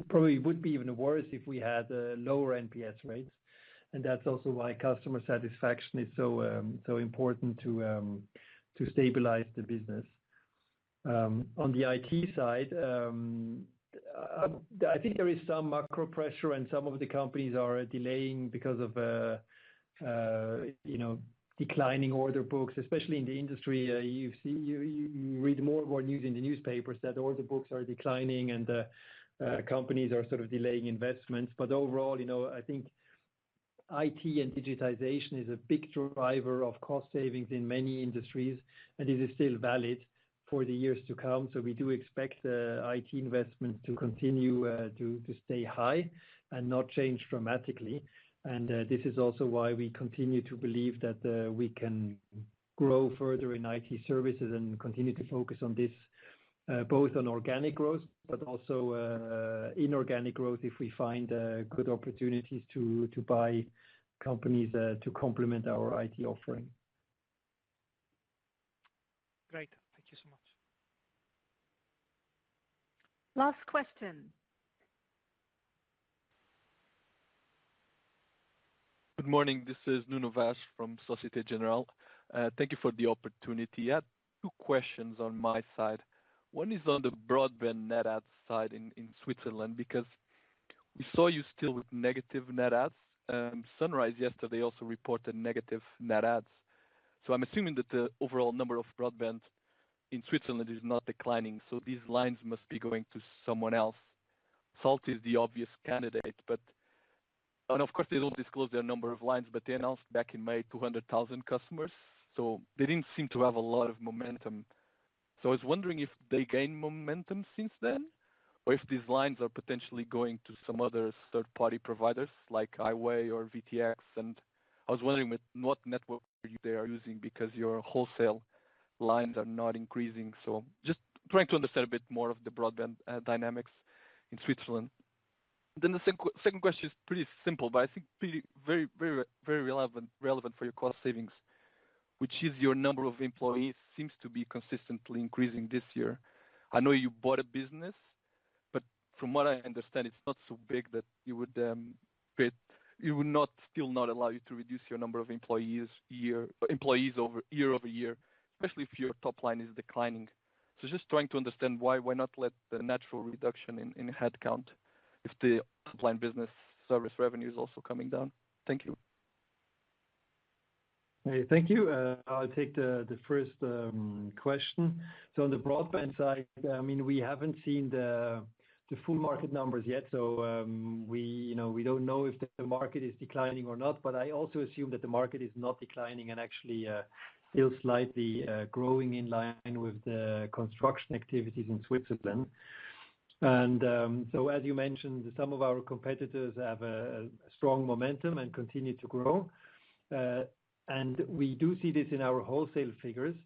Probably would be even worse if we had lower NPS rates, and that's also why customer satisfaction is so so important to stabilize the business. On the IT side, I think there is some macro pressure and some of the companies are delaying because of you know, declining order books, especially in the industry. You read more and more news in the newspapers that order books are declining, and companies are sort of delaying investments. But overall, you know, I think IT and digitization is a big driver of cost savings in many industries, and it is still valid for the years to come. So we do expect IT investments to continue to stay high and not change dramatically. And this is also why we continue to believe that we can grow further in IT services and continue to focus on this both on organic growth but also inorganic growth if we find good opportunities to buy companies to complement our IT offering. Great. Thank you so much. Last question. Good morning. This is Nuno Vaz from Société Générale. Thank you for the opportunity. I had two questions on my side. One is on the broadband net add side in Switzerland, because we saw you still with negative net adds. Sunrise yesterday also reported negative net adds. So I'm assuming that the overall number of broadband in Switzerland is not declining, so these lines must be going to someone else. Salt is the obvious candidate, but, and of course, they don't disclose their number of lines, but they announced back in May, 200,000 customers, so they didn't seem to have a lot of momentum. So I was wondering if they gained momentum since then, or if these lines are potentially going to some other third-party providers, like iWay or VTX. And I was wondering what network they are using? Because your wholesale lines are not increasing. Just trying to understand a bit more of the broadband dynamics in Switzerland. The second question is pretty simple, but I think very, very, very relevant for your cost savings. Which is, your number of employees seems to be consistently increasing this year. I know you bought a business, but from what I understand, it's not so big that you would pay. It would still not allow you to reduce your number of employees year over year over year, especially if your top line is declining. Just trying to understand why not let the natural reduction in headcount, if the top line business service revenue is also coming down? Thank you. Hey, thank you. I'll take the first question. So on the broadband side, I mean, we haven't seen the full market numbers yet, so we, you know, we don't know if the market is declining or not. But I also assume that the market is not declining and actually still slightly growing in line with the construction activities in Switzerland. So as you mentioned, some of our competitors have a strong momentum and continue to grow. And we do see this in our wholesale figures,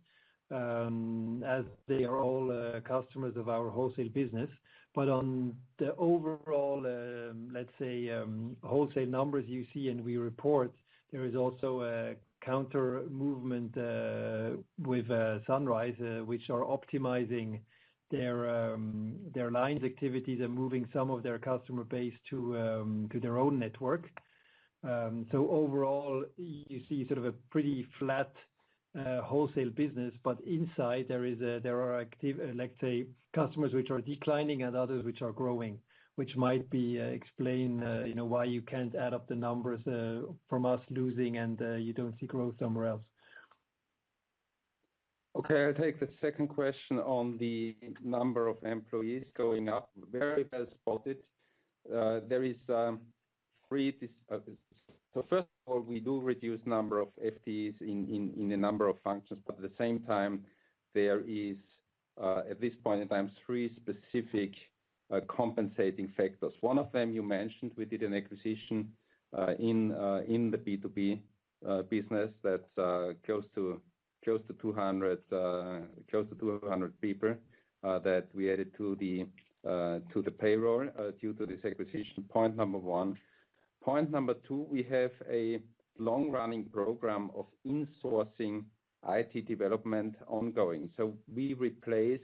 as they are all customers of our wholesale business. But on the overall, let's say, wholesale numbers you see and we report, there is also a counter movement with Sunrise, which are optimizing their lines activities and moving some of their customer base to their own network. So overall, you see sort of a pretty flat wholesale business, but inside there are active, let's say, customers which are declining and others which are growing, which might explain, you know, why you can't add up the numbers from us losing and you don't see growth somewhere else. Okay, I'll take the second question on the number of employees going up. Very well spotted. There is three specific compensating factors. So first of all, we do reduce number of FTEs in a number of functions, but at the same time, there is, at this point in time, three specific compensating factors. One of them you mentioned, we did an acquisition in the B2B business. That's close to 200 people that we added to the payroll due to this acquisition. Point number one. Point number two, we have a long-running program of insourcing IT development ongoing. So we replace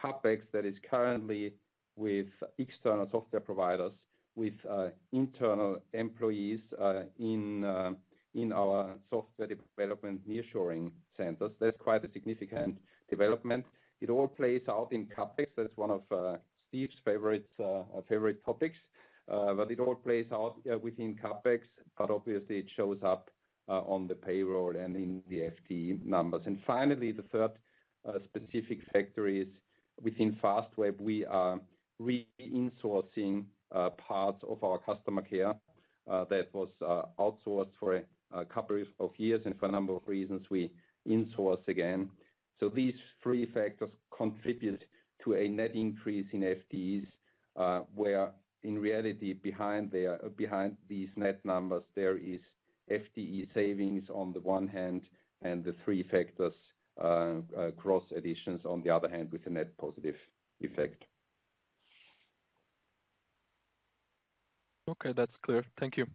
CapEx that is currently with external software providers, with internal employees in our software development nearshoring centers. That's quite a significant development. It all plays out in CapEx. That's one of Steve's favorite favorite topics, but it all plays out within CapEx, but obviously it shows up on the payroll and in the FTE numbers. And finally, the third specific factor is within Fastweb, we are re-insourcing parts of our customer care that was outsourced for a couple of years and for a number of reasons, we insource again. So these three factors contribute to a net increase in FTEs, where in reality, behind there, behind these net numbers, there is FTE savings on the one hand, and the three factors cross additions on the other hand, with a net positive effect. Okay, that's clear. Thank you.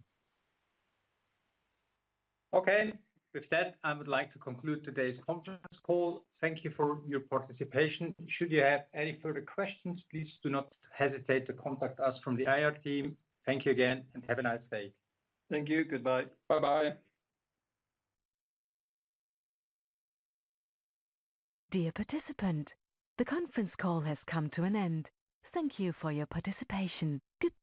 Okay. With that, I would like to conclude today's conference call. Thank you for your participation. Should you have any further questions, please do not hesitate to contact us from the IR team. Thank you again, and have a nice day. Thank you. Goodbye. Bye-bye. Dear participant, the conference call has come to an end. Thank you for your participation. Good-